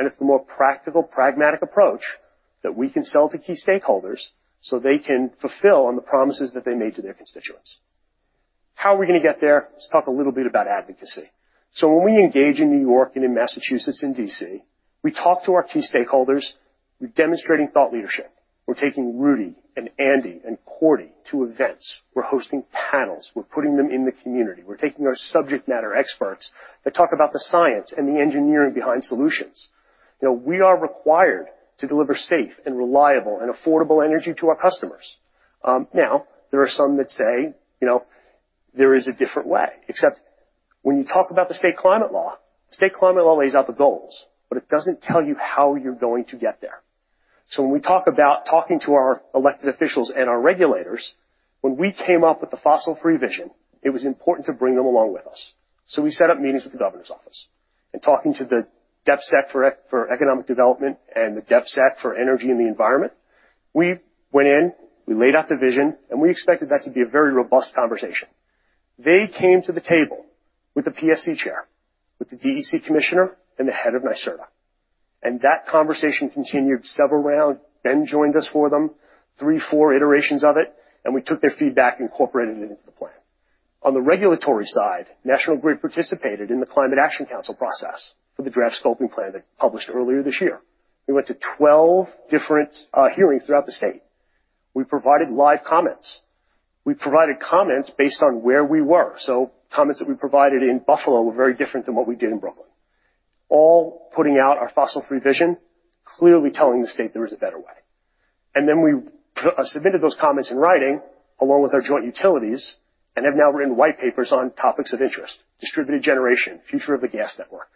It's the more practical, pragmatic approach that we can sell to key stakeholders so they can fulfill on the promises that they made to their constituents. How are we gonna get there? Let's talk a little bit about advocacy. When we engage in New York and in Massachusetts and D.C., we talk to our key stakeholders. We're demonstrating thought leadership. We're taking Rudy and Andy and Cordy to events. We're hosting panels. We're putting them in the community. We're taking our subject matter experts that talk about the science and the engineering behind solutions. You know, we are required to deliver safe and reliable and affordable energy to our customers. Now there are some that say, you know, there is a different way, except when you talk about the state climate law. State climate law lays out the goals, but it doesn't tell you how you're going to get there. When we talk about talking to our elected officials and our regulators, when we came up with the fossil free vision, it was important to bring them along with us. We set up meetings with the governor's office and talking to the Deputy Secretary for economic development and the Deputy Secretary for energy in the environment. We went in, we laid out the vision, and we expected that to be a very robust conversation. They came to the table with the PSC chair, with the DEC commissioner and the head of NYSERDA, and that conversation continued several rounds. Ben joined us for them, 3, 4 iterations of it, and we took their feedback, incorporated it into the plan. On the regulatory side, National Grid participated in the Climate Action Council process for the draft scoping plan they published earlier this year. We went to 12 different hearings throughout the state. We provided live comments. We provided comments based on where we were. Comments that we provided in Buffalo were very different than what we did in Brooklyn. All putting out our fossil free vision, clearly telling the state there is a better way. We submitted those comments in writing along with our joint utilities and have now written white papers on topics of interest, distributed generation, future of the gas network.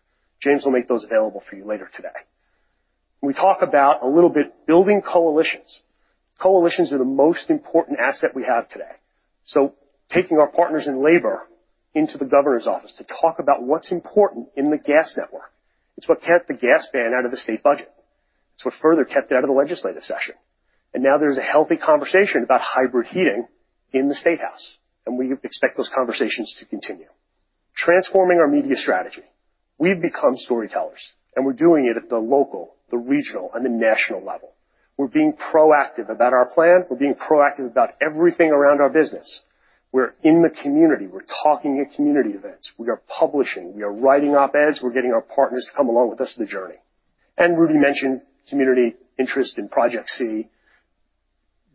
James will make those available for you later today. We talk about a little bit building coalitions. Coalitions are the most important asset we have today. Taking our partners in labor into the governor's office to talk about what's important in the gas network, it's what kept the gas ban out of the state budget. It's what further kept it out of the legislative session. Now there's a healthy conversation about hybrid heating in the State House, and we expect those conversations to continue. Transforming our media strategy. We've become storytellers, and we're doing it at the local, the regional, and the national level. We're being proactive about our plan. We're being proactive about everything around our business. We're in the community. We're talking at community events. We are publishing. We are writing op-eds. We're getting our partners to come along with us in the journey. Rudy mentioned community interest in Project C,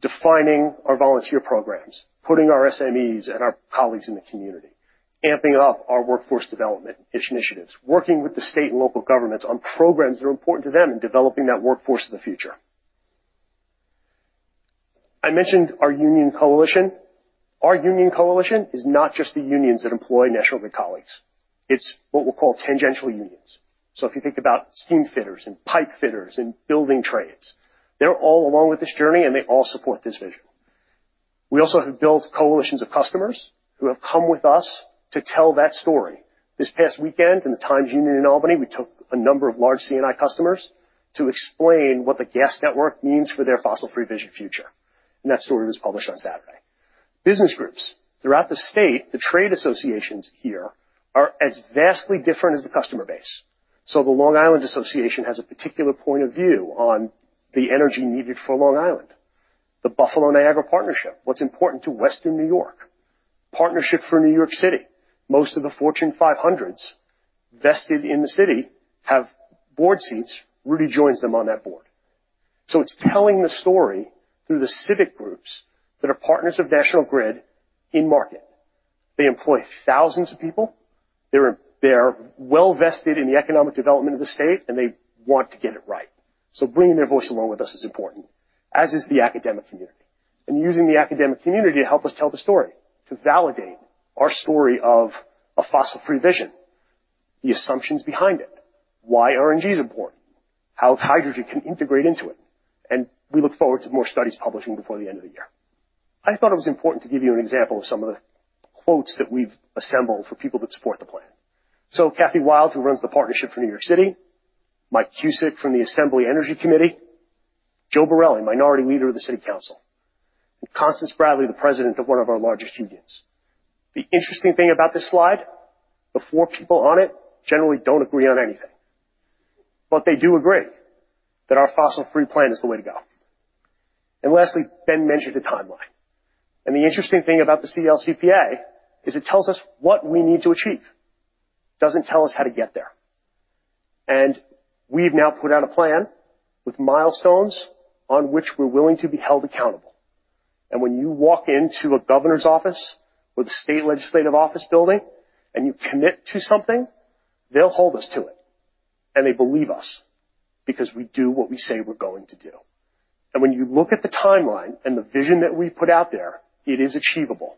defining our volunteer programs, putting our SMEs and our colleagues in the community, amping up our workforce development initiatives, working with the state and local governments on programs that are important to them in developing that workforce of the future. I mentioned our union coalition. Our union coalition is not just the unions that employ National Grid colleagues. It's what we'll call tangential unions. If you think about steamfitters and pipefitters and building trades, they're all along with this journey, and they all support this vision. We also have built coalitions of customers who have come with us to tell that story. This past weekend in the Times Union in Albany, we took a number of large C&I customers to explain what the gas network means for their fossil free vision future. That story was published on Saturday. Business groups throughout the state, the trade associations here are as vastly different as the customer base. The Long Island Association has a particular point of view on the energy needed for Long Island, the Buffalo Niagara Partnership, what's important to Western New York. Partnership for New York City. Most of the Fortune 500s invested in the city have board seats. Rudy joins them on that board. It's telling the story through the civic groups that are partners of National Grid in market. They employ thousands of people. They're well invested in the economic development of the state, and they want to get it right. Bringing their voice along with us is important, as is the academic community, and using the academic community to help us tell the story, to validate our story of a fossil free vision. The assumptions behind it, why RNG is important, how hydrogen can integrate into it, and we look forward to more studies publishing before the end of the year. I thought it was important to give you an example of some of the quotes that we've assembled for people that support the plan. Kathryn Wylde, who runs the Partnership for New York City, Michael Cusick from the Assembly Energy Committee, Joe Borelli, Minority Leader of the New York City Council, and uncertain the president of one of our largest unions. The interesting thing about this slide, the four people on it generally don't agree on anything, but they do agree that our fossil free plan is the way to go. Lastly, Ben mentioned the timeline. The interesting thing about the CLCPA is it tells us what we need to achieve. It doesn't tell us how to get there. We've now put out a plan with milestones on which we're willing to be held accountable. When you walk into a governor's office or the state legislative office building and you commit to something, they'll hold us to it, and they believe us because we do what we say we're going to do. When you look at the timeline and the vision that we put out there, it is achievable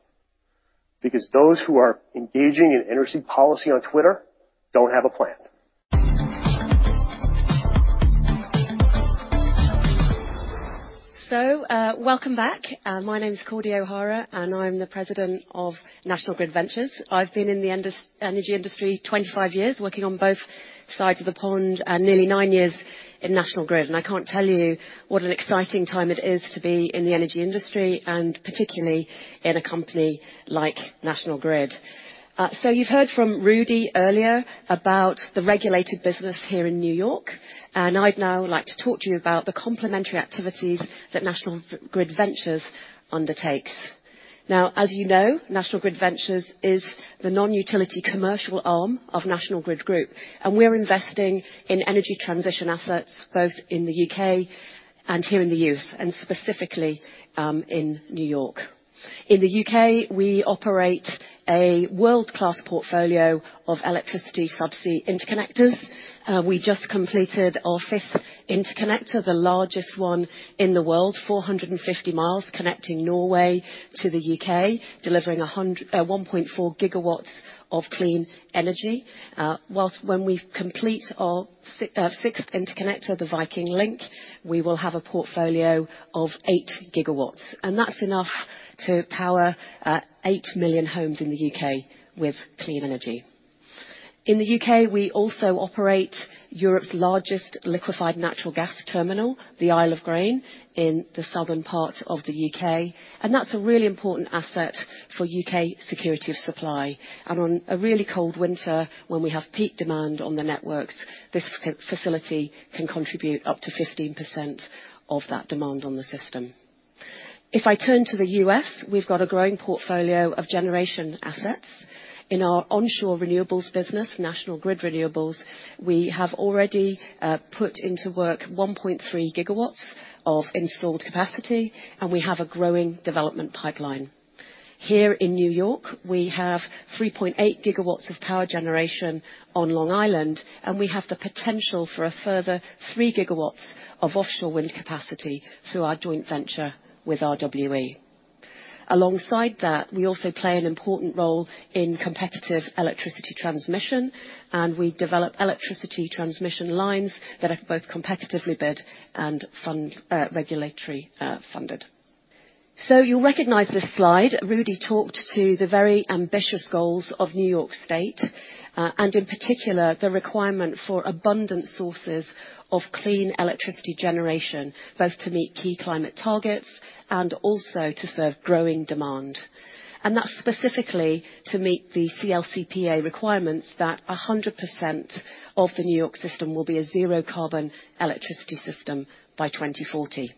because those who are engaging in energy policy on Twitter don't have a plan. Welcome back. My name is Cordy O'Hara, and I'm the President of National Grid Ventures. I've been in the industry 25 years, working on both sides of the pond, and nearly 9 years in National Grid. I can't tell you what an exciting time it is to be in the energy industry, and particularly in a company like National Grid. You've heard from Rudy earlier about the regulated business here in New York, and I'd now like to talk to you about the complementary activities that National Grid Ventures undertakes. Now, as you know, National Grid Ventures is the non-utility commercial arm of National Grid Group, and we're investing in energy transition assets both in the U.K. and here in the U.S., and specifically, in New York. In the U.K., we operate a world-class portfolio of electricity sub-sea interconnectors. We just completed our fifth interconnector, the largest one in the world, 450 miles connecting Norway to the U.K., delivering 1.4 gigawatts of clean energy. While when we complete our sixth interconnector, the Viking Link, we will have a portfolio of eight gigawatts. That's enough to power eight million homes in the U.K. with clean energy. In the U.K., we also operate Europe's largest liquefied natural gas terminal, the Isle of Grain, in the southern part of the U.K., and that's a really important asset for U.K. security of supply. On a really cold winter, when we have peak demand on the networks, this facility can contribute up to 15% of that demand on the system. If I turn to the U.S., we've got a growing portfolio of generation assets. In our onshore renewables business, National Grid Renewables, we have already put into work 1.3 gigawatts of installed capacity, and we have a growing development pipeline. Here in New York, we have 3.8 gigawatts of power generation on Long Island, and we have the potential for a further 3 gigawatts of offshore wind capacity through our joint venture with RWE. Alongside that, we also play an important role in competitive electricity transmission, and we develop electricity transmission lines that are both competitively bid and regulatory funded. You'll recognize this slide. Rudy talked to the very ambitious goals of New York State, and in particular, the requirement for abundant sources of clean electricity generation, both to meet key climate targets and also to serve growing demand. That's specifically to meet the CLCPA requirements that 100% of the New York system will be a zero carbon electricity system by 2040.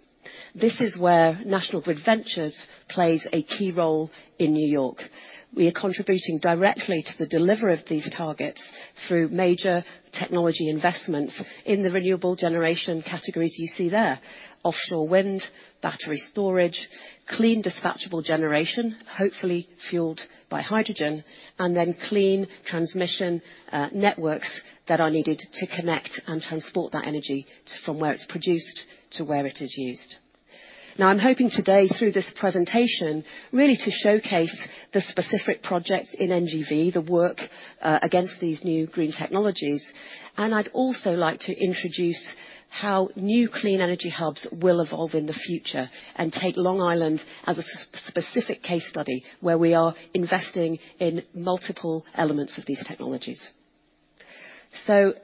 This is where National Grid Ventures plays a key role in New York. We are contributing directly to the delivery of these targets through major technology investments in the renewable generation categories you see there. Offshore wind, battery storage, clean dispatchable generation, hopefully fueled by hydrogen, and then clean transmission networks that are needed to connect and transport that energy from where it's produced to where it is used. I'm hoping today, through this presentation, really to showcase the specific projects in NGV, the work against these new green technologies, and I'd also like to introduce how new clean energy hubs will evolve in the future and take Long Island as a specific case study where we are investing in multiple elements of these technologies.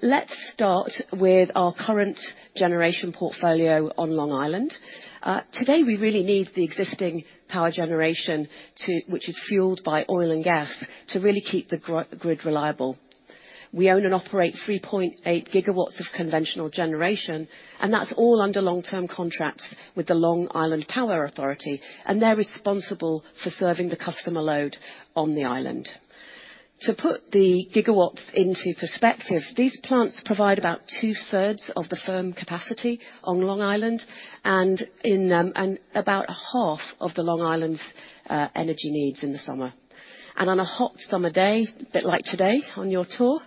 Let's start with our current generation portfolio on Long Island. Today, we really need the existing power generation which is fueled by oil and gas, to really keep the grid reliable. We own and operate 3.8 gigawatts of conventional generation, and that's all under long-term contracts with the Long Island Power Authority, and they're responsible for serving the customer load on the island. To put the gigawatts into perspective, these plants provide about two-thirds of the firm capacity on Long Island. About half of Long Island's energy needs in the summer. On a hot summer day, a bit like today on your tour,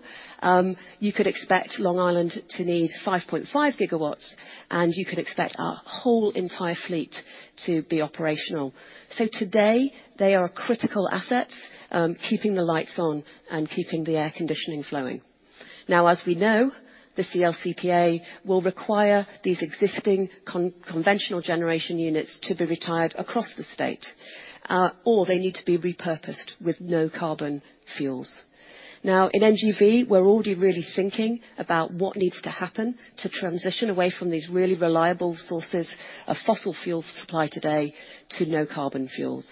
you could expect Long Island to need 5.5 gigawatts, and you can expect our whole entire fleet to be operational. Today they are critical assets, keeping the lights on and keeping the air conditioning flowing. Now, as we know, the CLCPA will require these existing conventional generation units to be retired across the state, or they need to be repurposed with no carbon fuels. Now, in NGV, we're already really thinking about what needs to happen to transition away from these really reliable sources of fossil fuel supply today to no carbon fuels.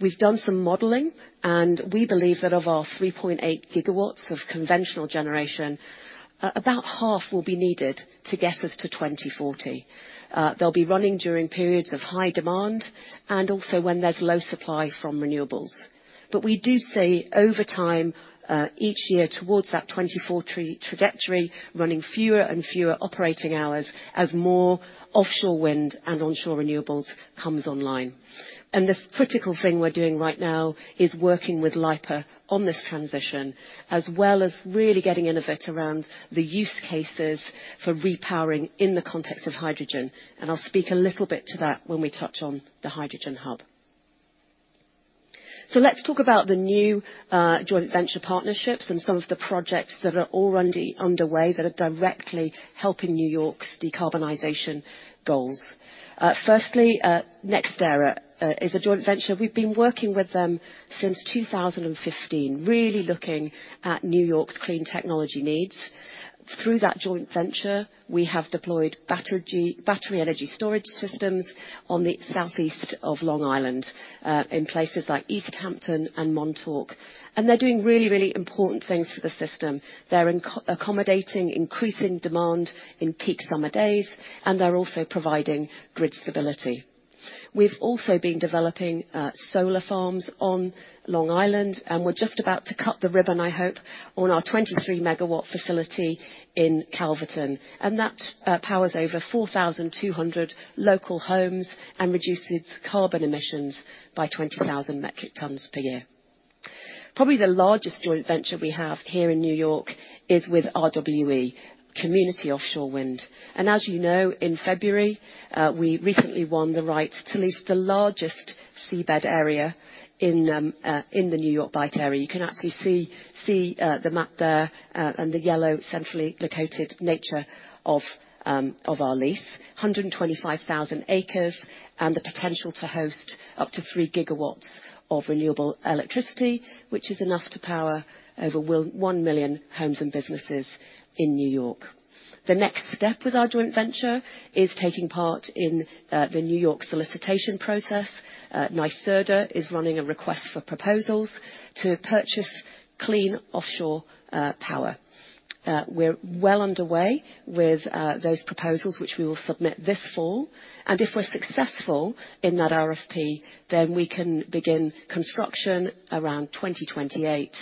We've done some modeling, and we believe that of our 3.8 gigawatts of conventional generation, about half will be needed to get us to 2040. They'll be running during periods of high demand and also when there's low supply from renewables. We do see over time, each year towards that 2040 trajectory, running fewer and fewer operating hours as more offshore wind and onshore renewables comes online. The critical thing we're doing right now is working with LIPA on this transition, as well as really getting innovative around the use cases for repowering in the context of hydrogen. I'll speak a little bit to that when we touch on the hydrogen hub. Let's talk about the new joint venture partnerships and some of the projects that are already underway that are directly helping New York's decarbonization goals. Firstly, NextEra is a joint venture. We've been working with them since 2015, really looking at New York's clean technology needs. Through that joint venture, we have deployed battery energy storage systems on the southeast of Long Island in places like East Hampton and Montauk. They're doing really important things for the system. They're accommodating increasing demand in peak summer days, and they're also providing grid stability. We've also been developing solar farms on Long Island, and we're just about to cut the ribbon, I hope, on our 23-megawatt facility in Calverton. That powers over 4,200 local homes and reduces carbon emissions by 20,000 metric tons per year. Probably the largest joint venture we have here in New York is with Community Offshore Wind. As you know, in February, we recently won the right to lease the largest seabed area in the New York Bight area. You can actually see the map there, and the yellow centrally located nature of our lease. 125,000 acres and the potential to host up to three gigawatts of renewable electricity, which is enough to power over 1 million homes and businesses in New York. The next step with our joint venture is taking part in the New York solicitation process. NYSERDA is running a request for proposals to purchase clean offshore power. We're well underway with those proposals, which we will submit this fall. If we're successful in that RFP, then we can begin construction around 2028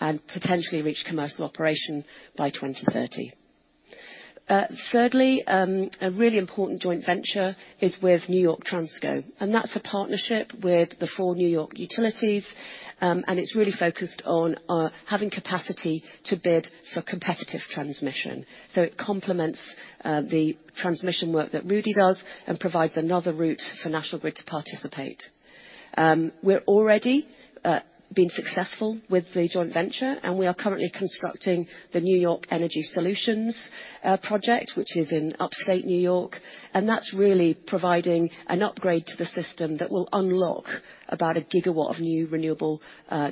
and potentially reach commercial operation by 2030. Thirdly, a really important joint venture is with New York Transco, and that's a partnership with the four New York utilities. It's really focused on having capacity to bid for competitive transmission. It complements the transmission work that Rudy does and provides another route for National Grid to participate. We're already been successful with the joint venture, and we are currently constructing the New York Energy Solution Project, which is in Upstate New York, and that's really providing an upgrade to the system that will unlock about a gigawatt of new renewable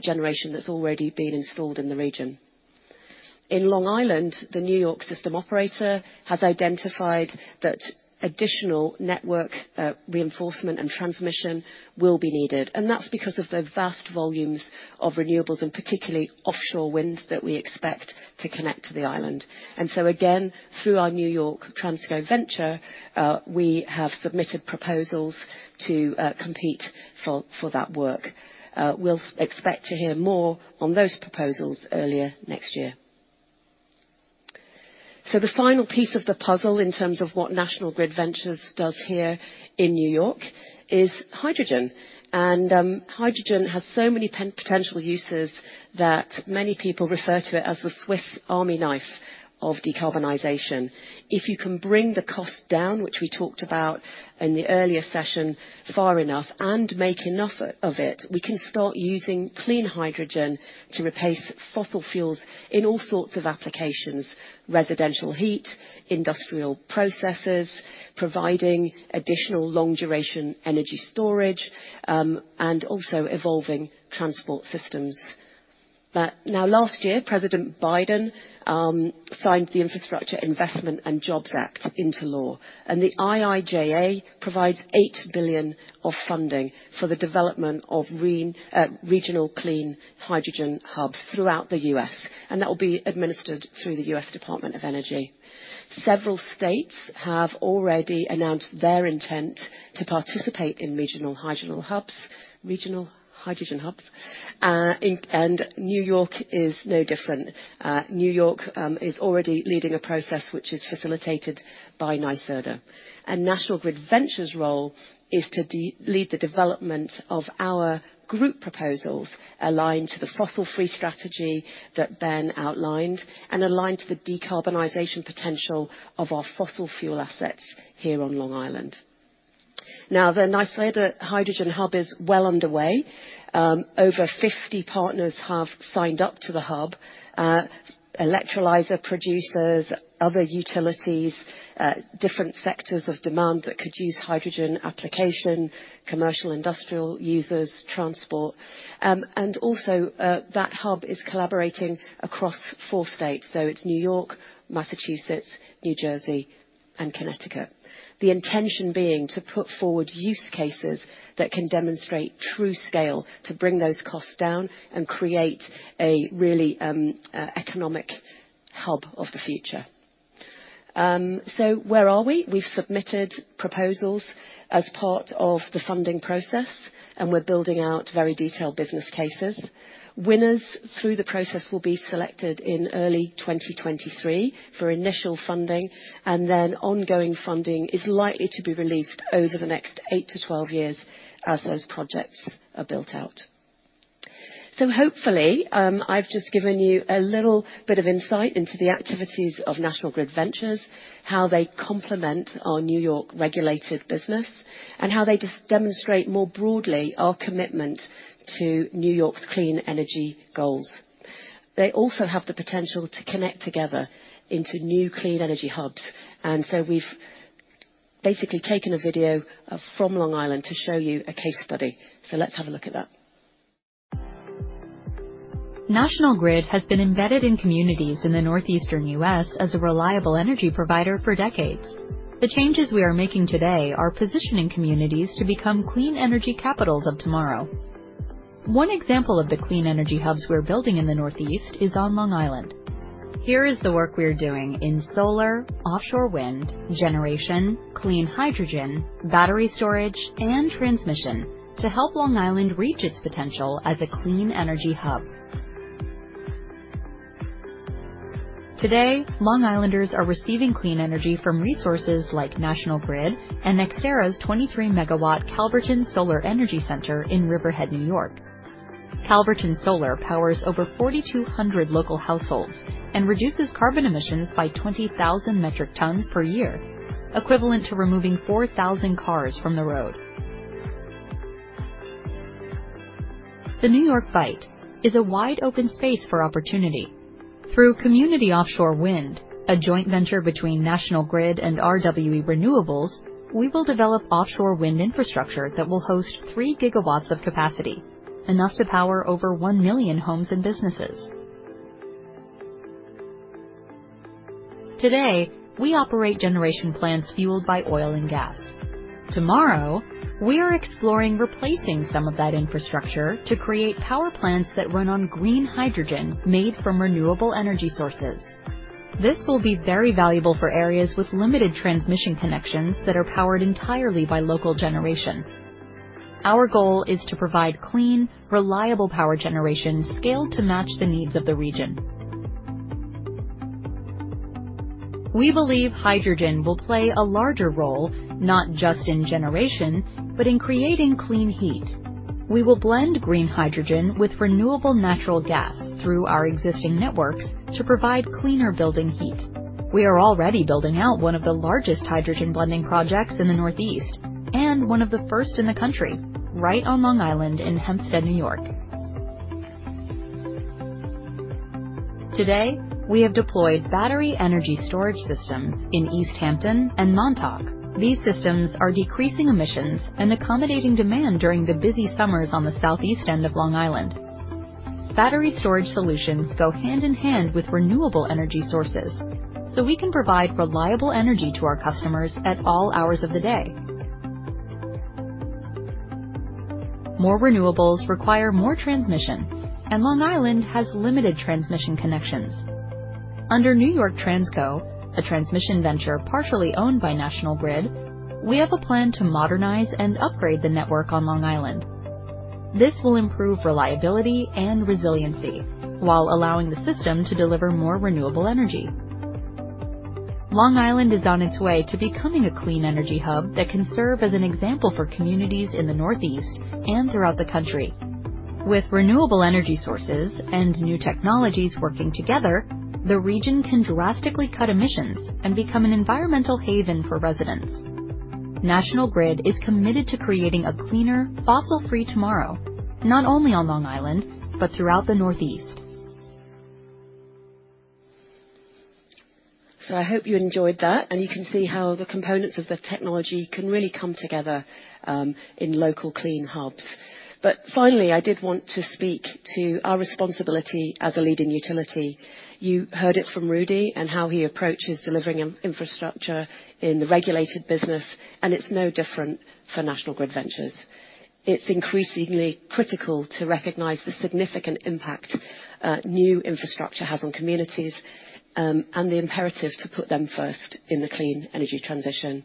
generation that's already been installed in the region. In Long Island, the New York Independent System Operator has identified that additional network reinforcement and transmission will be needed, and that's because of the vast volumes of renewables, and particularly offshore wind, that we expect to connect to the island. Again, through our New York Transco venture, we have submitted proposals to compete for that work. We'll expect to hear more on those proposals earlier next year. The final piece of the puzzle in terms of what National Grid Ventures does here in New York is hydrogen. Hydrogen has so many potential uses that many people refer to it as the Swiss Army knife of decarbonization. If you can bring the cost down, which we talked about in the earlier session, far enough and make enough of it, we can start using clean hydrogen to replace fossil fuels in all sorts of applications, residential heat, industrial processes, providing additional long-duration energy storage, and also evolving transport systems. Now last year, President Biden signed the Infrastructure Investment and Jobs Act into law, and the IIJA provides $8 billion of funding for the development of regional clean hydrogen hubs throughout the U.S., and that will be administered through the U.S. Department of Energy. Several states have already announced their intent to participate in regional hydrogen hubs. New York is no different. New York is already leading a process which is facilitated by NYSERDA. National Grid Ventures' role is to lead the development of our group proposals aligned to the fossil free strategy that Ben outlined and aligned to the decarbonization potential of our fossil fuel assets here on Long Island. Now, the NYSERDA hydrogen hub is well underway. Over 50 partners have signed up to the hub, electrolyzer producers, other utilities, different sectors of demand that could use hydrogen application, commercial industrial users, transport. That hub is collaborating across four states, so it's New York, Massachusetts, New Jersey, and Connecticut. The intention being to put forward use cases that can demonstrate true scale to bring those costs down and create a really economic hub of the future. Where are we? We've submitted proposals as part of the funding process, and we're building out very detailed business cases. Winners through the process will be selected in early 2023 for initial funding, and then ongoing funding is likely to be released over the next eight-12 years as those projects are built out. Hopefully, I've just given you a little bit of insight into the activities of National Grid Ventures, how they complement our New York regulated business, and how they demonstrate more broadly our commitment to New York's clean energy goals. They also have the potential to connect together into new clean energy hubs, and so we've basically taken a video from Long Island to show you a case study. Let's have a look at that. National Grid has been embedded in communities in the northeastern U.S. as a reliable energy provider for decades. The changes we are making today are positioning communities to become clean energy capitals of tomorrow. One example of the clean energy hubs we're building in the northeast is on Long Island. Here is the work we are doing in solar, offshore wind, generation, clean hydrogen, battery storage, and transmission to help Long Island reach its potential as a clean energy hub. Today, Long Islanders are receiving clean energy from resources like National Grid and NextEra's 23-MW Calverton Solar Energy Center in Riverhead, New York. Calverton Solar powers over 4,200 local households and reduces carbon emissions by 20,000 metric tons per year, equivalent to removing 4,000 cars from the road. The New York Bight is a wide open space for opportunity. Through Community Offshore Wind, a joint venture between National Grid and RWE Renewables, we will develop offshore wind infrastructure that will host 3 gigawatts of capacity, enough to power over 1 million homes and businesses. Today, we operate generation plants fueled by oil and gas. Tomorrow, we are exploring replacing some of that infrastructure to create power plants that run on green hydrogen made from renewable energy sources. This will be very valuable for areas with limited transmission connections that are powered entirely by local generation. Our goal is to provide clean, reliable power generation scaled to match the needs of the region. We believe hydrogen will play a larger role, not just in generation, but in creating clean heat. We will blend green hydrogen with renewable natural gas through our existing networks to provide cleaner building heat. We are already building out one of the largest hydrogen blending projects in the northeast, and one of the first in the country, right on Long Island in Hempstead, New York. Today, we have deployed battery energy storage systems in East Hampton and Montauk. These systems are decreasing emissions and accommodating demand during the busy summers on the southeast end of Long Island. Battery storage solutions go hand in hand with renewable energy sources, so we can provide reliable energy to our customers at all hours of the day. More renewables require more transmission, and Long Island has limited transmission connections. Under New York Transco, a transmission venture partially owned by National Grid, we have a plan to modernize and upgrade the network on Long Island. This will improve reliability and resiliency while allowing the system to deliver more renewable energy. Long Island is on its way to becoming a clean energy hub that can serve as an example for communities in the northeast and throughout the country. With renewable energy sources and new technologies working together, the region can drastically cut emissions and become an environmental haven for residents. National Grid is committed to creating a cleaner, fossil-free tomorrow, not only on Long Island, but throughout the northeast. I hope you enjoyed that, and you can see how the components of the technology can really come together in local clean hubs. Finally, I did want to speak to our responsibility as a leading utility. You heard it from Rudy and how he approaches delivering infrastructure in the regulated business, and it's no different for National Grid Ventures. It's increasingly critical to recognize the significant impact new infrastructure has on communities, and the imperative to put them first in the clean energy transition.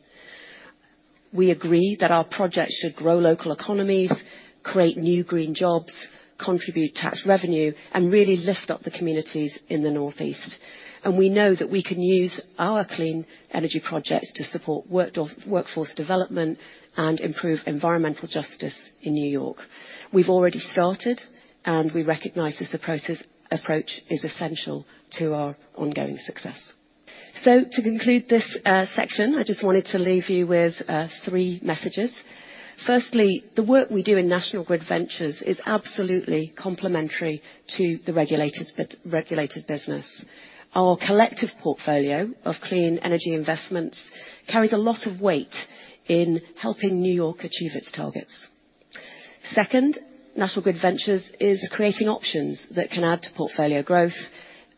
We agree that our projects should grow local economies, create new green jobs, contribute tax revenue, and really lift up the communities in the northeast. We know that we can use our clean energy projects to support workforce development and improve environmental justice in New York. We've already started, and we recognize this approach is essential to our ongoing success. To conclude this section, I just wanted to leave you with three messages. Firstly, the work we do in National Grid Ventures is absolutely complementary to the regulators' business-regulated business. Our collective portfolio of clean energy investments carries a lot of weight in helping New York achieve its targets. Second, National Grid Ventures is creating options that can add to portfolio growth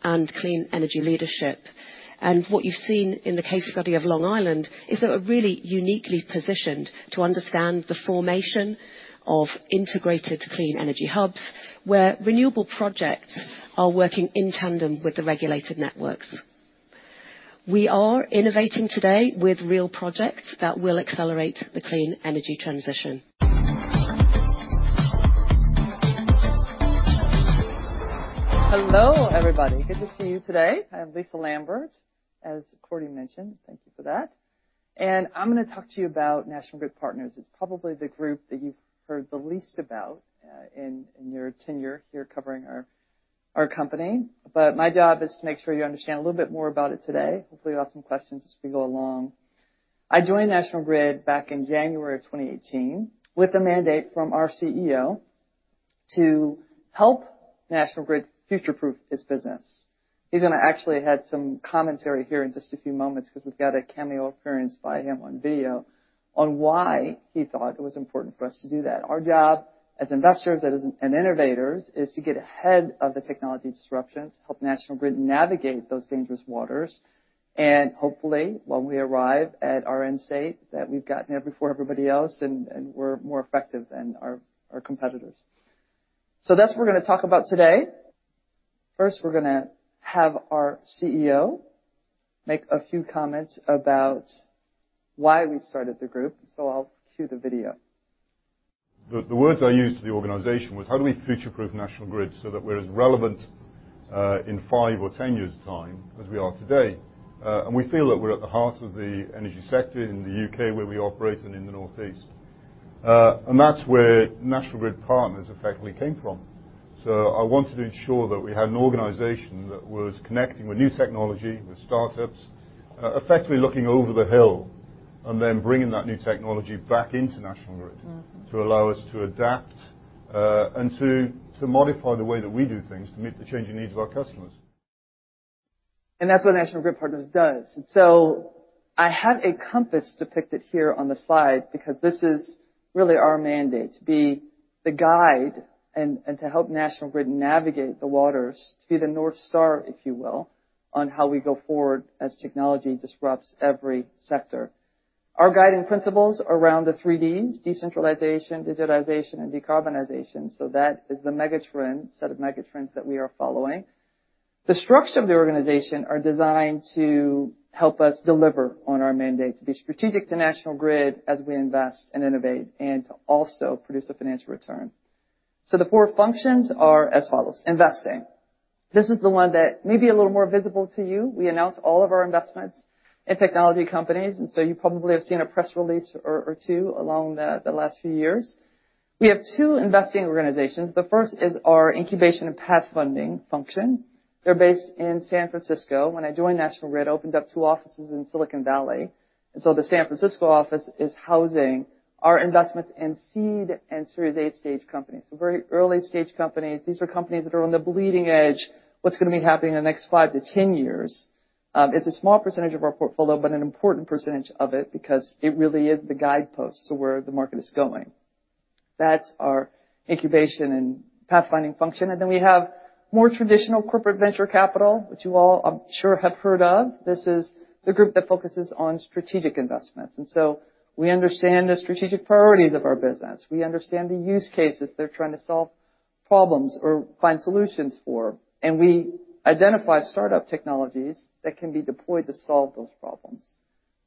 and clean energy leadership. What you've seen in the case study of Long Island is they're really uniquely positioned to understand the formation of integrated clean energy hubs, where renewable projects are working in tandem with the regulated networks. We are innovating today with real projects that will accelerate the clean energy transition. Hello, everybody. Good to see you today. I'm Lisa Lambert, as Courtney mentioned. Thank you for that. I'm gonna talk to you about National Grid Partners. It's probably the group that you've heard the least about, in your tenure here covering our company. My job is to make sure you understand a little bit more about it today. Hopefully, you'll ask some questions as we go along. I joined National Grid back in January of 2018 with a mandate from our CEO to help National Grid future-proof its business. He's gonna actually add some commentary here in just a few moments 'cause we've got a cameo appearance by him on video on why he thought it was important for us to do that. Our job, as investors and innovators, is to get ahead of the technology disruptions, help National Grid navigate those dangerous waters, and hopefully, when we arrive at our end state, that we've gotten there before everybody else and we're more effective than our competitors. That's what we're gonna talk about today. First, we're gonna have our CEO make a few comments about why we started the group, so I'll cue the video. The words I used to the organization was: How do we future-proof National Grid so that we're as relevant in five or 10 years' time as we are today? We feel that we're at the heart of the energy sector in the U.K. where we operate and in the Northeast. That's where National Grid Partners effectively came from. I wanted to ensure that we had an organization that was connecting with new technology, with startups, effectively looking over the hill and then bringing that new technology back into National Grid. Mm-hmm. To allow us to adapt and to modify the way that we do things to meet the changing needs of our customers. That's what National Grid Partners does. I have a compass depicted here on the slide because this is really our mandate, to be the guide and to help National Grid navigate the waters, to be the North Star, if you will, on how we go forward as technology disrupts every sector. Our guiding principles around the three Ds, decentralization, digitization, and decarbonization, so that is the megatrend, set of megatrends that we are following. The structure of the organization are designed to help us deliver on our mandate to be strategic to National Grid as we invest and innovate and to also produce a financial return. The four functions are as follows, investing. This is the one that may be a little more visible to you. We announce all of our investments in technology companies, and so you probably have seen a press release or two over the last few years. We have two investing organizations. The first is our incubation and pathfinding function. They're based in San Francisco. When I joined National Grid, opened up two offices in Silicon Valley. The San Francisco office is housing our investments in seed and Series A stage companies, so very early-stage companies. These are companies that are on the bleeding edge, what's gonna be happening in the next five to 10 years. It's a small percentage of our portfolio, but an important percentage of it because it really is the guidepost to where the market is going. That's our incubation and pathfinding function. Then we have more traditional corporate venture capital, which you all, I'm sure, have heard of. This is the group that focuses on strategic investments. We understand the strategic priorities of our business. We understand the use cases they're trying to solve problems or find solutions for, and we identify startup technologies that can be deployed to solve those problems.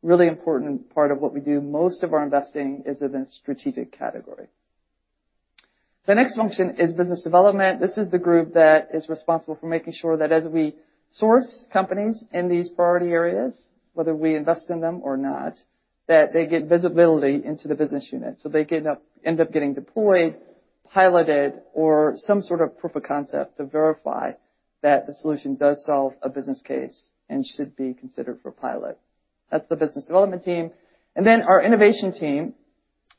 Really important part of what we do. Most of our investing is in the strategic category. The next function is business development. This is the group that is responsible for making sure that as we source companies in these priority areas, whether we invest in them or not, that they get visibility into the business unit. They end up getting deployed, piloted, or some sort of proof of concept to verify that the solution does solve a business case and should be considered for pilot. That's the business development team. Our innovation team,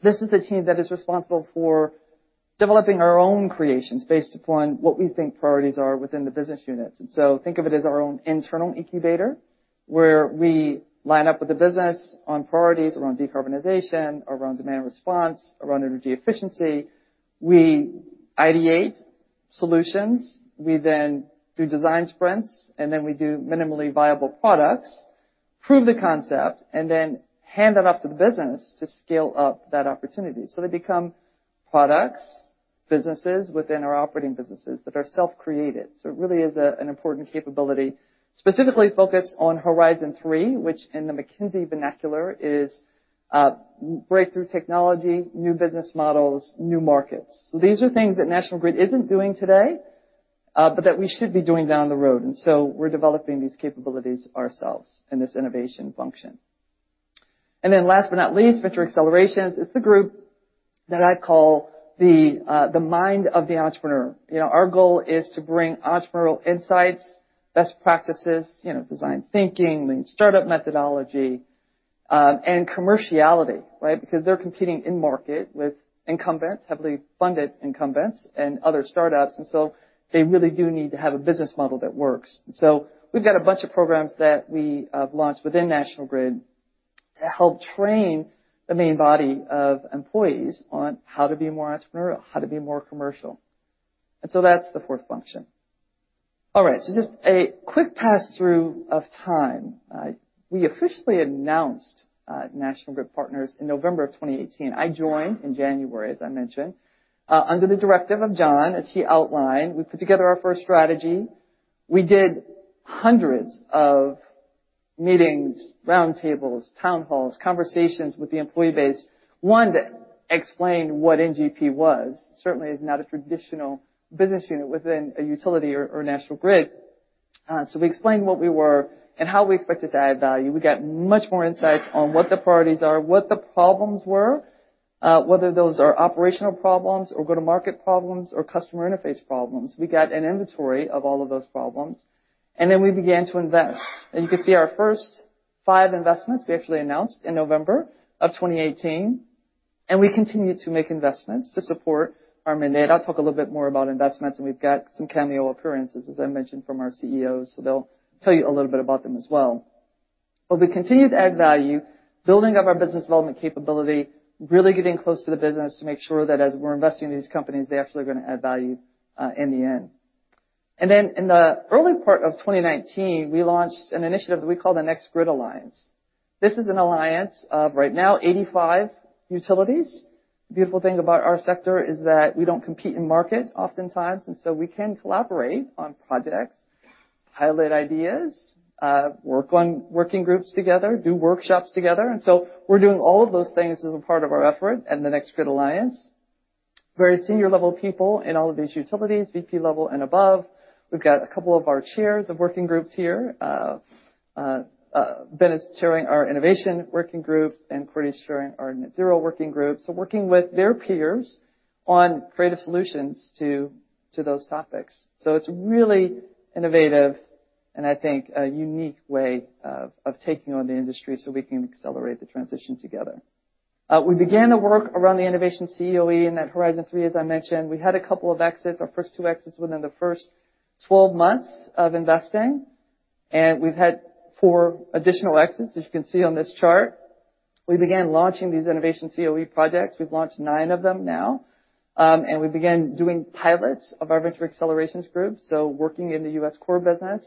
this is the team that is responsible for developing our own creations based upon what we think priorities are within the business units. Think of it as our own internal incubator, where we line up with the business on priorities around decarbonization, around demand response, around energy efficiency. We ideate solutions, we then do design sprints, and then we do minimum viable products, prove the concept, and then hand that off to the business to scale up that opportunity. They become products, businesses within our operating businesses that are self-created. It really is an important capability, specifically focused on Horizon 3, which in the McKinsey vernacular is breakthrough technology, new business models, new markets. These are things that National Grid isn't doing today, but that we should be doing down the road. We're developing these capabilities ourselves in this innovation function. Last but not least, Venture Acceleration is the group that I call the mind of the entrepreneur. You know, our goal is to bring entrepreneurial insights, best practices, you know, design thinking, lean startup methodology, and commerciality, right? Because they're competing in-market with incumbents, heavily funded incumbents and other startups, and so they really do need to have a business model that works. We've got a bunch of programs that we have launched within National Grid to help train the main body of employees on how to be more entrepreneurial, how to be more commercial. That's the fourth function. All right, just a quick pass-through of time. We officially announced National Grid Partners in November 2018. I joined in January, as I mentioned, under the directive of John, as he outlined. We put together our first strategy. We did hundreds of meetings, roundtables, town halls, conversations with the employee base. One, to explain what NGP was. Certainly is not a traditional business unit within a utility or National Grid. So we explained what we were and how we expected to add value. We got much more insights on what the priorities are, what the problems were, whether those are operational problems or go-to-market problems or customer interface problems. We got an inventory of all of those problems, and then we began to invest. You can see our first five investments we actually announced in November of 2018, and we continued to make investments to support our mandate. I'll talk a little bit more about investments, and we've got some cameo appearances, as I mentioned, from our CEOs. They'll tell you a little bit about them as well. We continued to add value, building up our business development capability, really getting close to the business to make sure that as we're investing in these companies, they're actually gonna add value, in the end. In the early part of 2019, we launched an initiative that we call the NextGrid Alliance. This is an alliance of right now 85 utilities. The beautiful thing about our sector is that we don't compete in market oftentimes, and so we can collaborate on projects, pilot ideas, work on working groups together, do workshops together. We're doing all of those things as a part of our effort and the NextGrid Alliance. Very senior level people in all of these utilities, VP level and above. We've got a couple of our chairs of working groups here. Ben is chairing our innovation working group, and Cordy is chairing our net zero working group. Working with their peers on creative solutions to those topics. It's really innovative and I think a unique way of taking on the industry so we can accelerate the transition together. We began to work around the innovation COE in that Horizon three, as I mentioned. We had a couple of exits, our first two exits within the first 12 months of investing, and we've had four additional exits, as you can see on this chart. We began launching these innovation COE projects. We've launched 9 of them now, and we began doing pilots of our Venture Accelerations group, so working in the US core business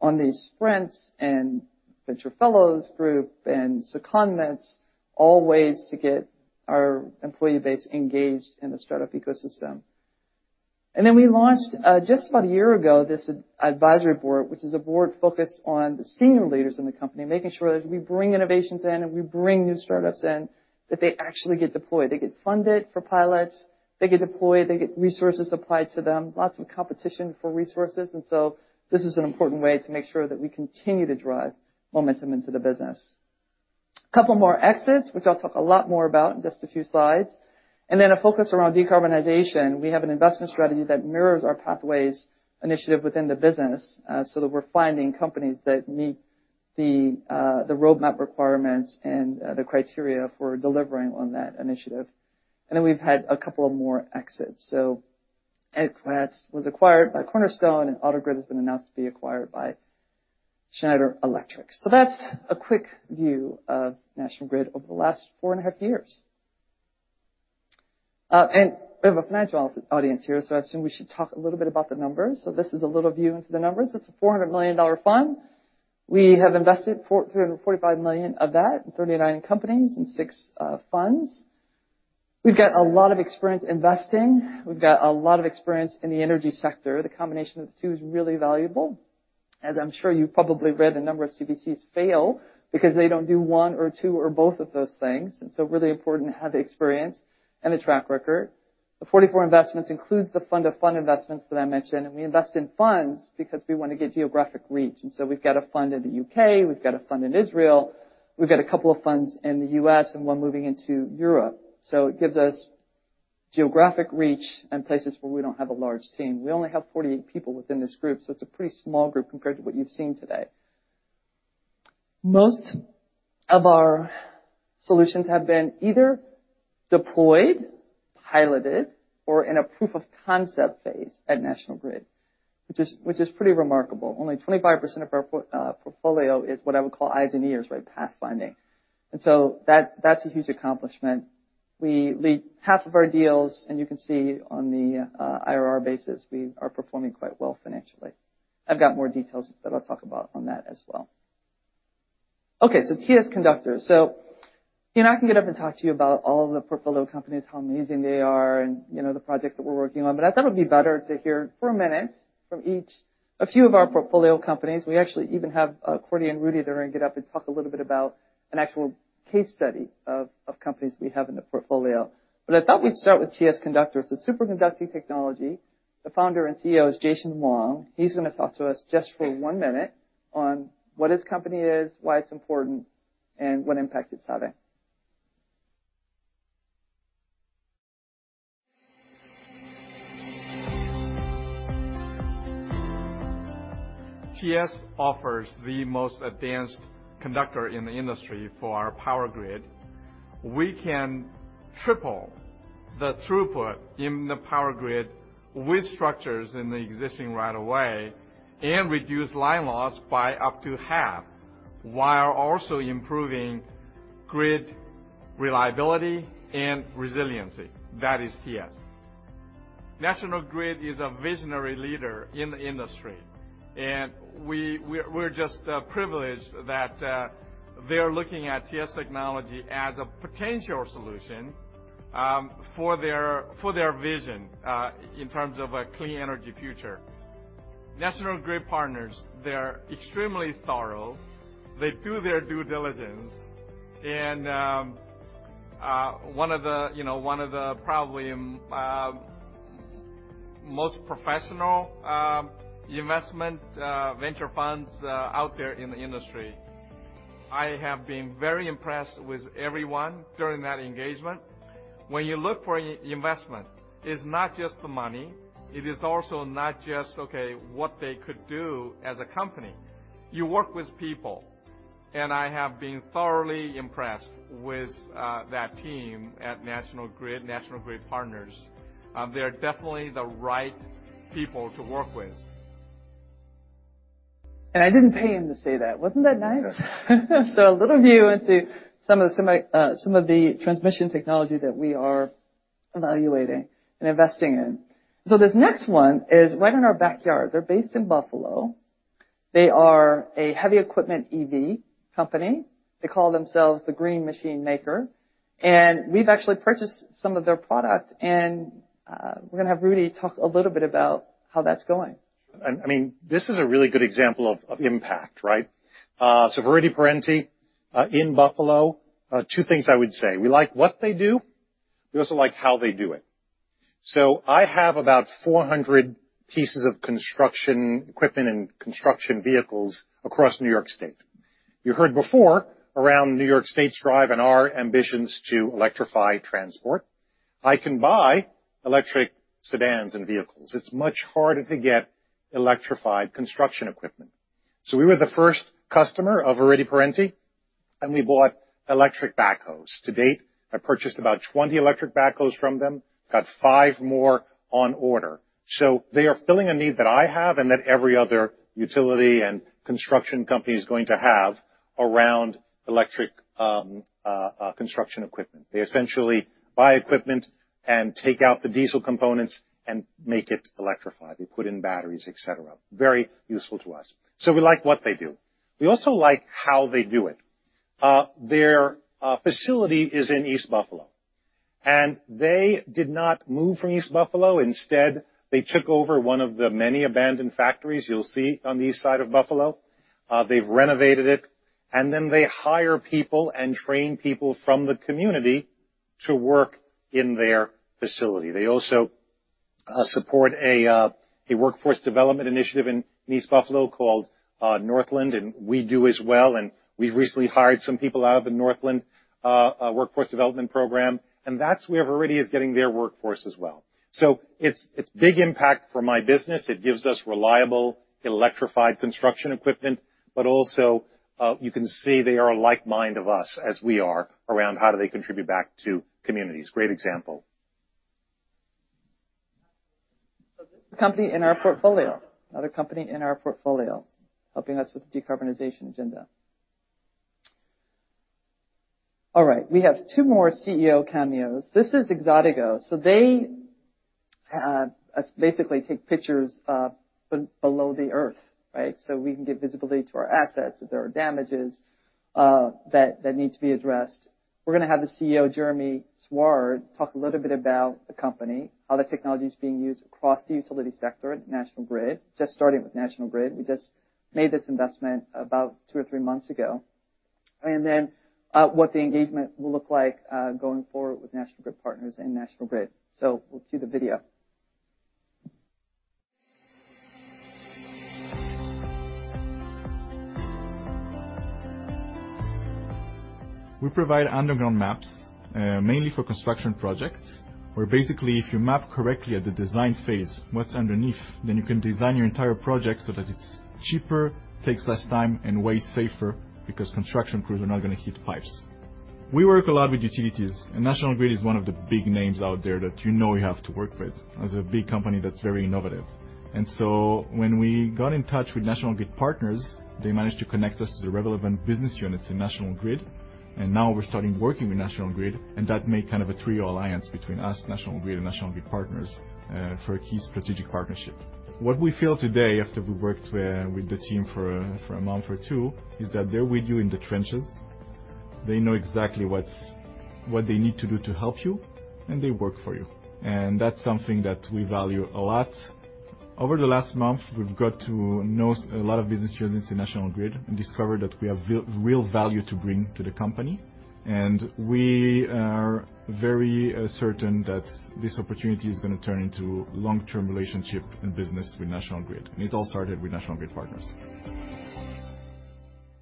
on these sprints and Venture Fellows group and secondments, all ways to get our employee base engaged in the startup ecosystem. We launched just about a year ago this advisory board, which is a board focused on the senior leaders in the company, making sure that as we bring innovations in and we bring new startups in, that they actually get deployed. They get funded for pilots, they get deployed, they get resources applied to them, lots of competition for resources. This is an important way to make sure that we continue to drive momentum into the business. Couple more exits, which I'll talk a lot more about in just a few slides, and then a focus around decarbonization. We have an investment strategy that mirrors our Pathways initiative within the business, so that we're finding companies that meet the roadmap requirements and the criteria for delivering on that initiative. We've had a couple of more exits. Apogee was acquired by Cornerstone OnDemand, and AutoGrid has been announced to be acquired by Schneider Electric. That's a quick view of National Grid over the last 4.5 years. We have a financial audience here, so I assume we should talk a little bit about the numbers. This is a little view into the numbers. It's a $400 million fund. We have invested $345 million of that in 39 companies and six funds. We've got a lot of experience investing. We've got a lot of experience in the energy sector. The combination of the two is really valuable. As I'm sure you've probably read, a number of CVCs fail because they don't do one or two or both of those things, and so really important to have the experience and the track record. The 44 investments includes the fund-to-fund investments that I mentioned, and we invest in funds because we want to get geographic reach. We've got a fund in the U.K., we've got a fund in Israel, we've got a couple of funds in the U.S. and one moving into Europe. It gives us geographic reach in places where we don't have a large team. We only have 48 people within this group, so it's a pretty small group compared to what you've seen today. Most of our solutions have been either deployed, piloted, or in a proof of concept phase at National Grid, which is pretty remarkable. Only 25% of our portfolio is what I would call eyes and ears, right? Pathfinding. That's a huge accomplishment. We lead half of our deals, and you can see on the IRR basis, we are performing quite well financially. I've got more details that I'll talk about on that as well. Okay, TS Conductor. You know, I can get up and talk to you about all the portfolio companies, how amazing they are, and you know, the projects that we're working on, but I thought it'd be better to hear for a minute from each a few of our portfolio companies. We actually even have Cordy and Rudy, they're gonna get up and talk a little bit about an actual case study of companies we have in the portfolio. I thought we'd start with TS Conductor. It's superconducting technology. The founder and CEO is Jason Huang. He's gonna talk to us just for one minute on what his company is, why it's important, and what impact it's having. TS offers the most advanced conductor in the industry for our power grid. We can triple the throughput in the power grid with structures in the existing right-of-way and reduce line loss by up to half, while also improving grid reliability and resiliency. That is TS. National Grid is a visionary leader in the industry, and we're just privileged that they're looking at TS technology as a potential solution for their vision in terms of a clean energy future. National Grid Partners, they're extremely thorough. They do their due diligence. One of the, you know, probably most professional investment venture funds out there in the industry. I have been very impressed with everyone during that engagement. When you look for investment, it's not just the money, it is also not just, okay, what they could do as a company. You work with people, and I have been thoroughly impressed with that team at National Grid, National Grid Partners. They are definitely the right people to work with. I didn't pay him to say that. Wasn't that nice? A little view into some of the transmission technology that we are evaluating and investing in. This next one is right in our backyard. They're based in Buffalo. They are a heavy equipment EV company. They call themselves the green machine maker. We've actually purchased some of their product and we're gonna have Rudy talk a little bit about how that's going. I mean, this is a really good example of impact, right? Viridi in Buffalo, two things I would say. We like what they do, we also like how they do it. I have about 400 pieces of construction equipment and construction vehicles across New York State. You heard before around New York State's drive and our ambitions to electrify transport. I can buy electric sedans and vehicles. It's much harder to get electrified construction equipment. We were the first customer of Viridi Parente, and we bought electric backhoes. To date, I purchased about 20 electric backhoes from them, got five more on order. They are filling a need that I have and that every other utility and construction company is going to have around electric construction equipment. They essentially buy equipment and take out the diesel components and make it electrified. They put in batteries, et cetera. Very useful to us. We like what they do. We also like how they do it. Their facility is in East Buffalo, and they did not move from East Buffalo. Instead, they took over one of the many abandoned factories you'll see on the east side of Buffalo. They've renovated it, and then they hire people and train people from the community to work in their facility. They also support a workforce development initiative in East Buffalo called Northland, and we do as well. We've recently hired some people out of the Northland workforce development program, and that's where Viridi Parente is getting their workforce as well. It's big impact for my business. It gives us reliable, electrified construction equipment, but also, you can see they are like-minded to us in how they contribute back to communities. Great example. This is a company in our portfolio, another company in our portfolio helping us with the decarbonization agenda. All right, we have two more CEO cameos. This is Exodigo. They basically take pictures below the Earth, right? We can give visibility to our assets if there are damages that need to be addressed. We're gonna have the CEO, Jeremy Suard, talk a little bit about the company, how the technology is being used across the utility sector at National Grid. Just starting with National Grid. We just made this investment about two or three months ago. What the engagement will look like going forward with National Grid Partners and National Grid. We'll cue the video. We provide underground maps, mainly for construction projects, where basically, if you map correctly at the design phase what's underneath, then you can design your entire project so that it's cheaper, takes less time, and way safer because construction crews are not gonna hit pipes. We work a lot with utilities, and National Grid is one of the big names out there that you know you have to work with as a big company that's very innovative. When we got in touch with National Grid Partners, they managed to connect us to the relevant business units in National Grid, and now we're starting working with National Grid, and that made kind of a trio alliance between us, National Grid, and National Grid Partners, for a key strategic partnership. What we feel today after we worked with the team for a month or two is that they're with you in the trenches, they know exactly what they need to do to help you, and they work for you. That's something that we value a lot. Over the last month, we've got to know a lot of business units in National Grid and discovered that we have real value to bring to the company, and we are very certain that this opportunity is gonna turn into long-term relationship and business with National Grid. It all started with National Grid Partners.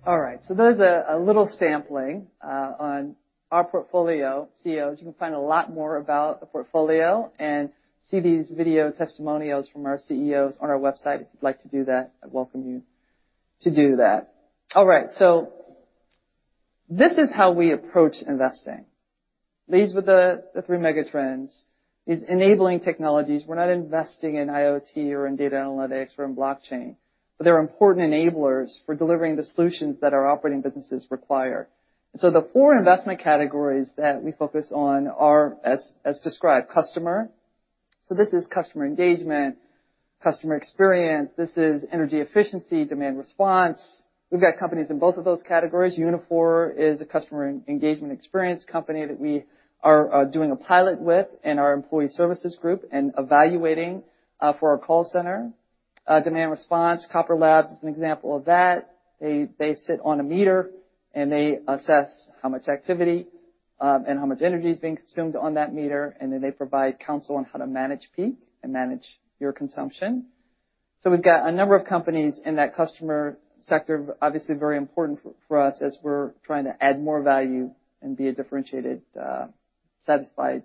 All right, there's a little sampling on our portfolio CEOs. You can find a lot more about the portfolio and see these video testimonials from our CEOs on our website. If you'd like to do that, I welcome you to do that. All right, this is how we approach investing. Leads with the three mega trends is enabling technologies. We're not investing in IoT or in data analytics or in blockchain, but they're important enablers for delivering the solutions that our operating businesses require. The four investment categories that we focus on are, as described, customer. This is customer engagement, customer experience. This is energy efficiency, demand response. We've got companies in both of those categories. Uniphore is a customer engagement experience company that we are doing a pilot with in our employee services group and evaluating for our call center. Demand response, Copper Labs is an example of that. They sit on a meter, and they assess how much activity and how much energy is being consumed on that meter, and then they provide counsel on how to manage peak and manage your consumption. We've got a number of companies in that customer sector, obviously very important for us as we're trying to add more value and be a differentiated satisfied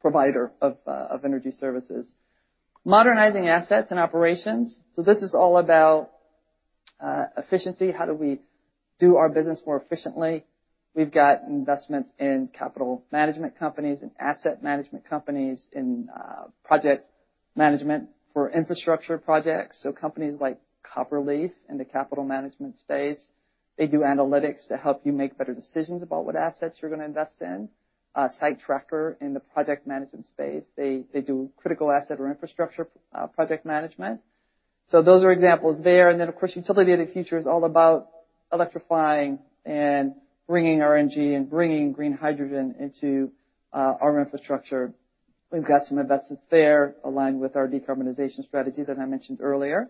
provider of energy services. Modernizing assets and operations, this is all about efficiency, how do we do our business more efficiently. We've got investments in capital management companies and asset management companies in project management for infrastructure projects, so companies like Copperleaf in the capital management space. They do analytics to help you make better decisions about what assets you're gonna invest in. Sitetracker in the project management space, they do critical asset or infrastructure project management. So those are examples there. Of course, Utility of the Future is all about electrifying and bringing RNG and bringing green hydrogen into our infrastructure. We've got some investments there aligned with our decarbonization strategy that I mentioned earlier.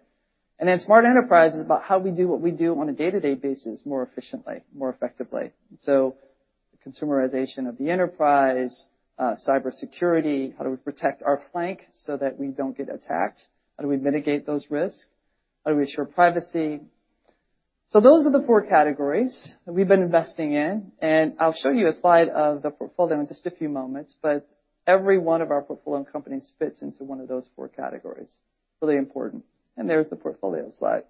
Smart Enterprise is about how we do what we do on a day-to-day basis more efficiently, more effectively. So consumerization of the enterprise, cybersecurity, how do we protect our flank so that we don't get attacked? How do we mitigate those risks? How do we ensure privacy? Those are the four categories that we've been investing in, and I'll show you a slide of the portfolio in just a few moments, but every one of our portfolio companies fits into one of those four categories. Really important. There's the portfolio slide.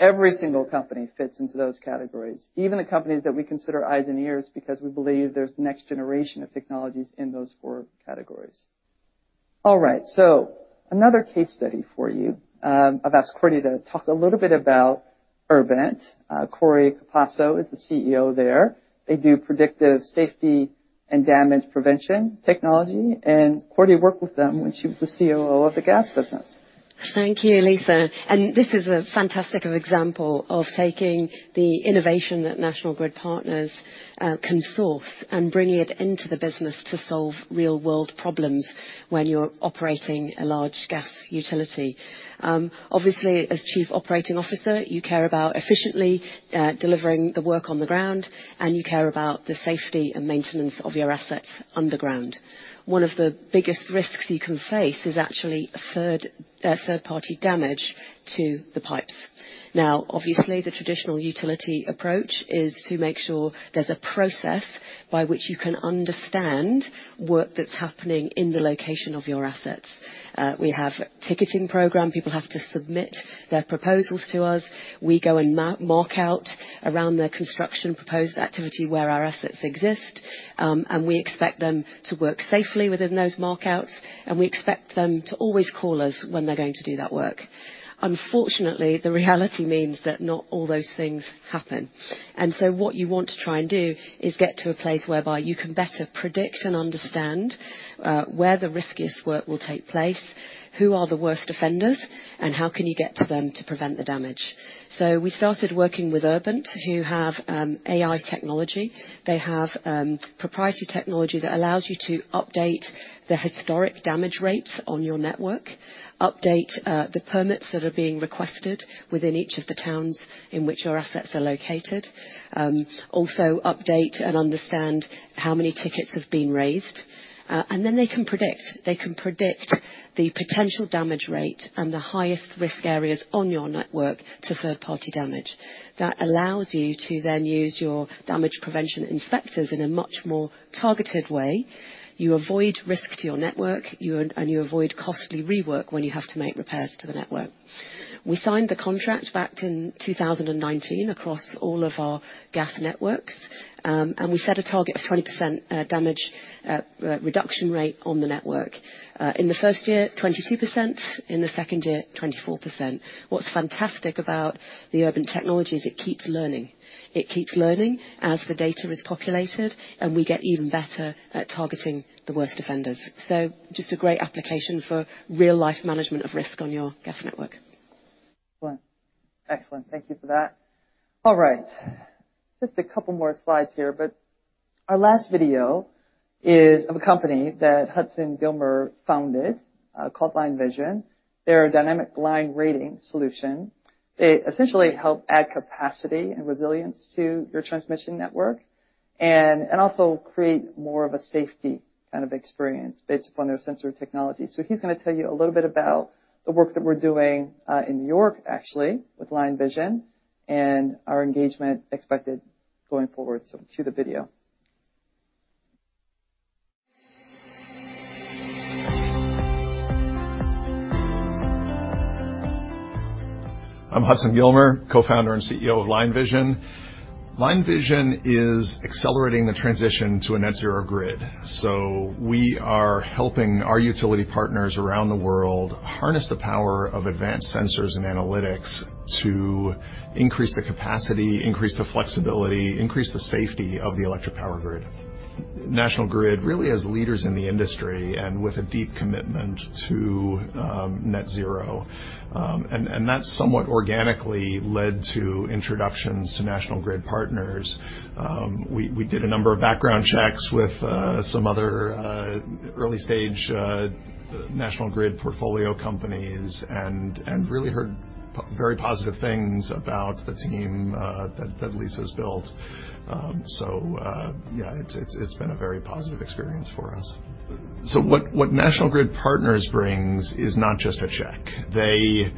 Every single company fits into those categories, even the companies that we consider eyes and ears, because we believe there's next generation of technologies in those four categories. All right, so another case study for you, I've asked Corey to talk a little bit about Urbint. Cordi Capasso is the CEO there. They do predictive safety and damage prevention technology, and Corey worked with them when she was the COO of the gas business. Thank you, Lisa, and this is a fantastic example of taking the innovation that National Grid Partners can source and bringing it into the business to solve real-world problems when you're operating a large gas utility. Obviously, as chief operating officer, you care about efficiently delivering the work on the ground, and you care about the safety and maintenance of your assets underground. One of the biggest risks you can face is actually a third-party damage to the pipes. Now, obviously, the traditional utility approach is to make sure there's a process by which you can understand work that's happening in the location of your assets. We have a ticketing program. People have to submit their proposals to us. We go and map and mark out around the proposed construction activity where our assets exist, and we expect them to work safely within those markouts, and we expect them to always call us when they're going to do that work. Unfortunately, the reality means that not all those things happen. What you want to try and do is get to a place whereby you can better predict and understand where the riskiest work will take place, who are the worst offenders, and how can you get to them to prevent the damage. We started working with Urbint, who have AI technology. They have proprietary technology that allows you to update the historic damage rates on your network, update the permits that are being requested within each of the towns in which your assets are located. Also update and understand how many tickets have been raised, and then they can predict the potential damage rate and the highest risk areas on your network to third-party damage. That allows you to then use your damage prevention inspectors in a much more targeted way. You avoid risk to your network, and you avoid costly rework when you have to make repairs to the network. We signed the contract back in 2019 across all of our gas networks, and we set a target of 20% damage reduction rate on the network. In the first year, 22%, in the second year, 24%. What's fantastic about the Urbint technology is it keeps learning. It keeps learning as the data is populated, and we get even better at targeting the worst offenders. Just a great application for real-life management of risk on your gas network. Excellent. Thank you for that. All right. Just a couple more slides here, but our last video is of a company that Hudson Gilmer founded, called LineVision. They're a dynamic line rating solution. They essentially help add capacity and resilience to your transmission network. They also create more of a safety kind of experience based upon their sensor technology. He's gonna tell you a little bit about the work that we're doing in New York, actually, with LineVision and our engagement expected going forward. Cue the video. I'm Hudson Gilmer, co-founder and CEO of LineVision. LineVision is accelerating the transition to a net zero grid. We are helping our utility partners around the world harness the power of advanced sensors and analytics to increase the capacity, increase the flexibility, increase the safety of the electric power grid. National Grid really is a leader in the industry and with a deep commitment to net zero. That somewhat organically led to introductions to National Grid Partners. We did a number of background checks with some other early stage National Grid portfolio companies and really heard very positive things about the team that Lisa's built. Yeah, it's been a very positive experience for us. What National Grid Partners brings is not just a check. They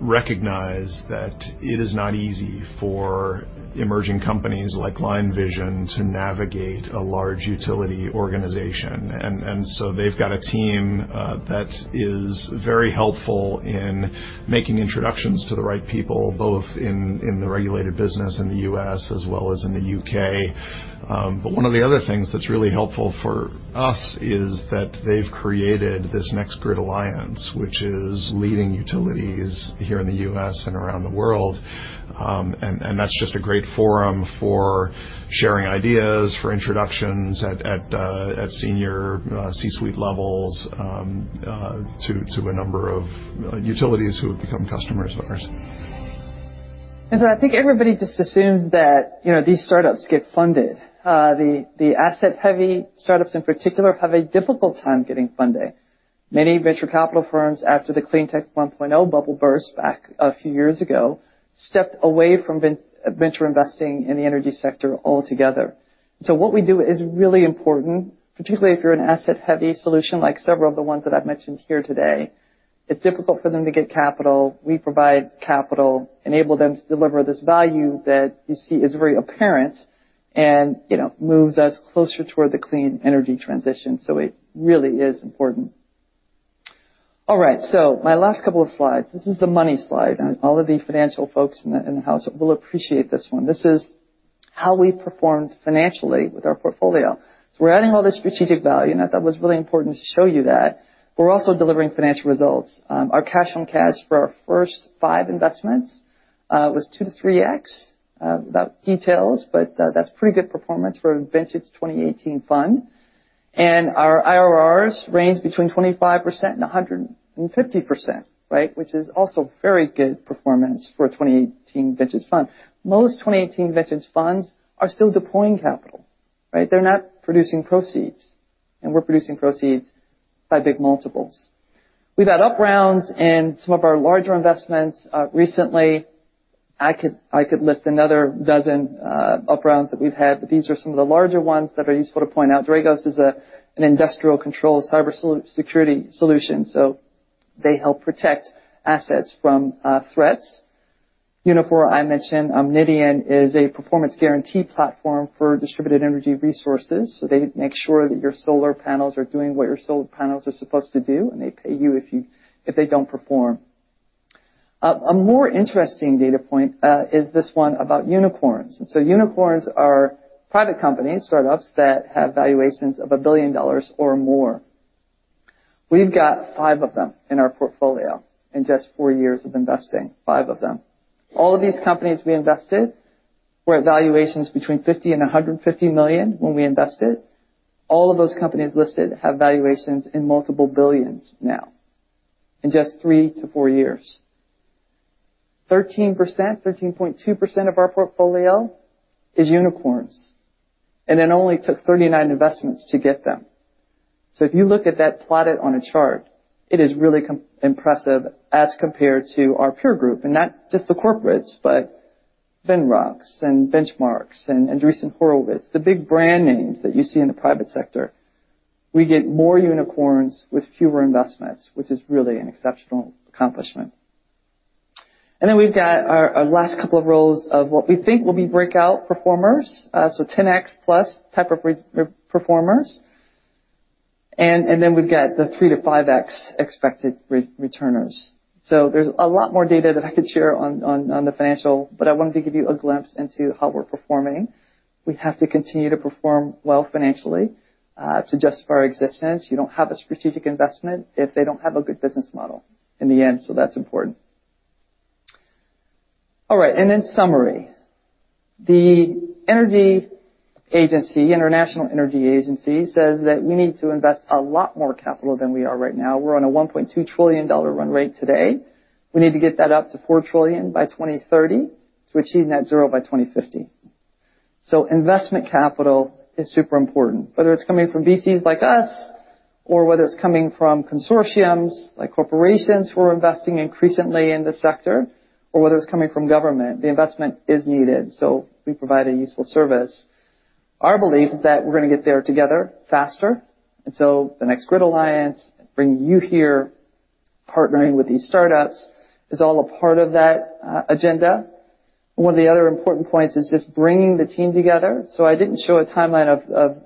recognize that it is not easy for emerging companies like LineVision to navigate a large utility organization. They've got a team that is very helpful in making introductions to the right people, both in the regulated business in the US as well as in the UK. One of the other things that's really helpful for us is that they've created this NextGrid Alliance, which is leading utilities here in the US and around the world. That's just a great forum for sharing ideas, for introductions at senior C-suite levels to a number of utilities who have become customers of ours. I think everybody just assumes that, you know, these startups get funded. The asset-heavy startups in particular have a difficult time getting funding. Many venture capital firms after the Cleantech 1.0 bubble burst back a few years ago, stepped away from venture investing in the energy sector altogether. What we do is really important, particularly if you're an asset-heavy solution like several of the ones that I've mentioned here today. It's difficult for them to get capital. We provide capital, enable them to deliver this value that you see is very apparent and, you know, moves us closer toward the clean energy transition. It really is important. All right, my last couple of slides. This is the money slide. All of the financial folks in the house will appreciate this one. This is how we performed financially with our portfolio. We're adding all this strategic value, and I thought it was really important to show you that, but we're also delivering financial results. Our Cash-on-Cash for our first five investments was two-three times. Without details, but that's pretty good performance for a vintage 2018 fund. Our IRRs range between 25% and 150%, right? Which is also very good performance for a 2018 vintage fund. Most 2018 vintage funds are still deploying capital, right? They're not producing proceeds, and we're producing proceeds by big multiples. We've had up rounds in some of our larger investments. Recently, I could list another dozen up rounds that we've had, but these are some of the larger ones that are useful to point out. Dragos is an industrial control cybersecurity solution, so they help protect assets from threats. Uniphore, I mentioned. Omnidian is a performance guarantee platform for distributed energy resources, so they make sure that your solar panels are doing what your solar panels are supposed to do, and they pay you if they don't perform. A more interesting data point is this one about unicorns. Unicorns are private companies, startups that have valuations of $1 billion or more. We've got five of them in our portfolio in just four years of investing. All of these companies we invested were at valuations between $50 million and $150 million when we invested. All of those companies listed have valuations in multiple billions now in just three-four years. 13%, 13.2% of our portfolio is unicorns, and it only took 39 investments to get them. If you look at that plotted on a chart, it is really impressive as compared to our peer group, and not just the corporates, but Venrock and Benchmark and Andreessen Horowitz, the big brand names that you see in the private sector. We get more unicorns with fewer investments, which is really an exceptional accomplishment. Then we've got our last couple of rows of what we think will be breakout performers, so 10x-plus type of performers. Then we've got the 3-5x expected returners. There's a lot more data that I could share on the financial, but I wanted to give you a glimpse into how we're performing. We have to continue to perform well financially to justify our existence. You don't have a strategic investment if they don't have a good business model in the end, so that's important. All right, in summary, the International Energy Agency says that we need to invest a lot more capital than we are right now. We're on a $1.2 trillion run rate today. We need to get that up to $4 trillion by 2030 to achieve net zero by 2050. Investment capital is super important. Whether it's coming from VCs like us or whether it's coming from consortiums, like corporations who are investing increasingly in the sector, or whether it's coming from government, the investment is needed, so we provide a useful service. Our belief is that we're gonna get there together faster, and the NextGrid Alliance, bringing you here, partnering with these startups, is all a part of that agenda. One of the other important points is just bringing the team together. I didn't show a timeline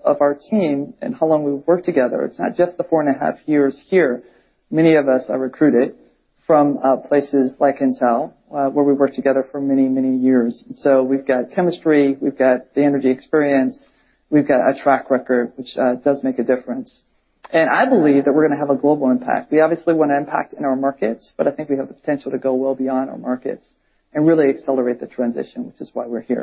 of our team and how long we've worked together. It's not just the four and a half years here. Many of us are recruited from places like Intel, where we worked together for many, many years. We've got chemistry, we've got the energy experience, we've got a track record, which does make a difference. I believe that we're gonna have a global impact. We obviously want to impact in our markets, but I think we have the potential to go well beyond our markets and really accelerate the transition, which is why we're here.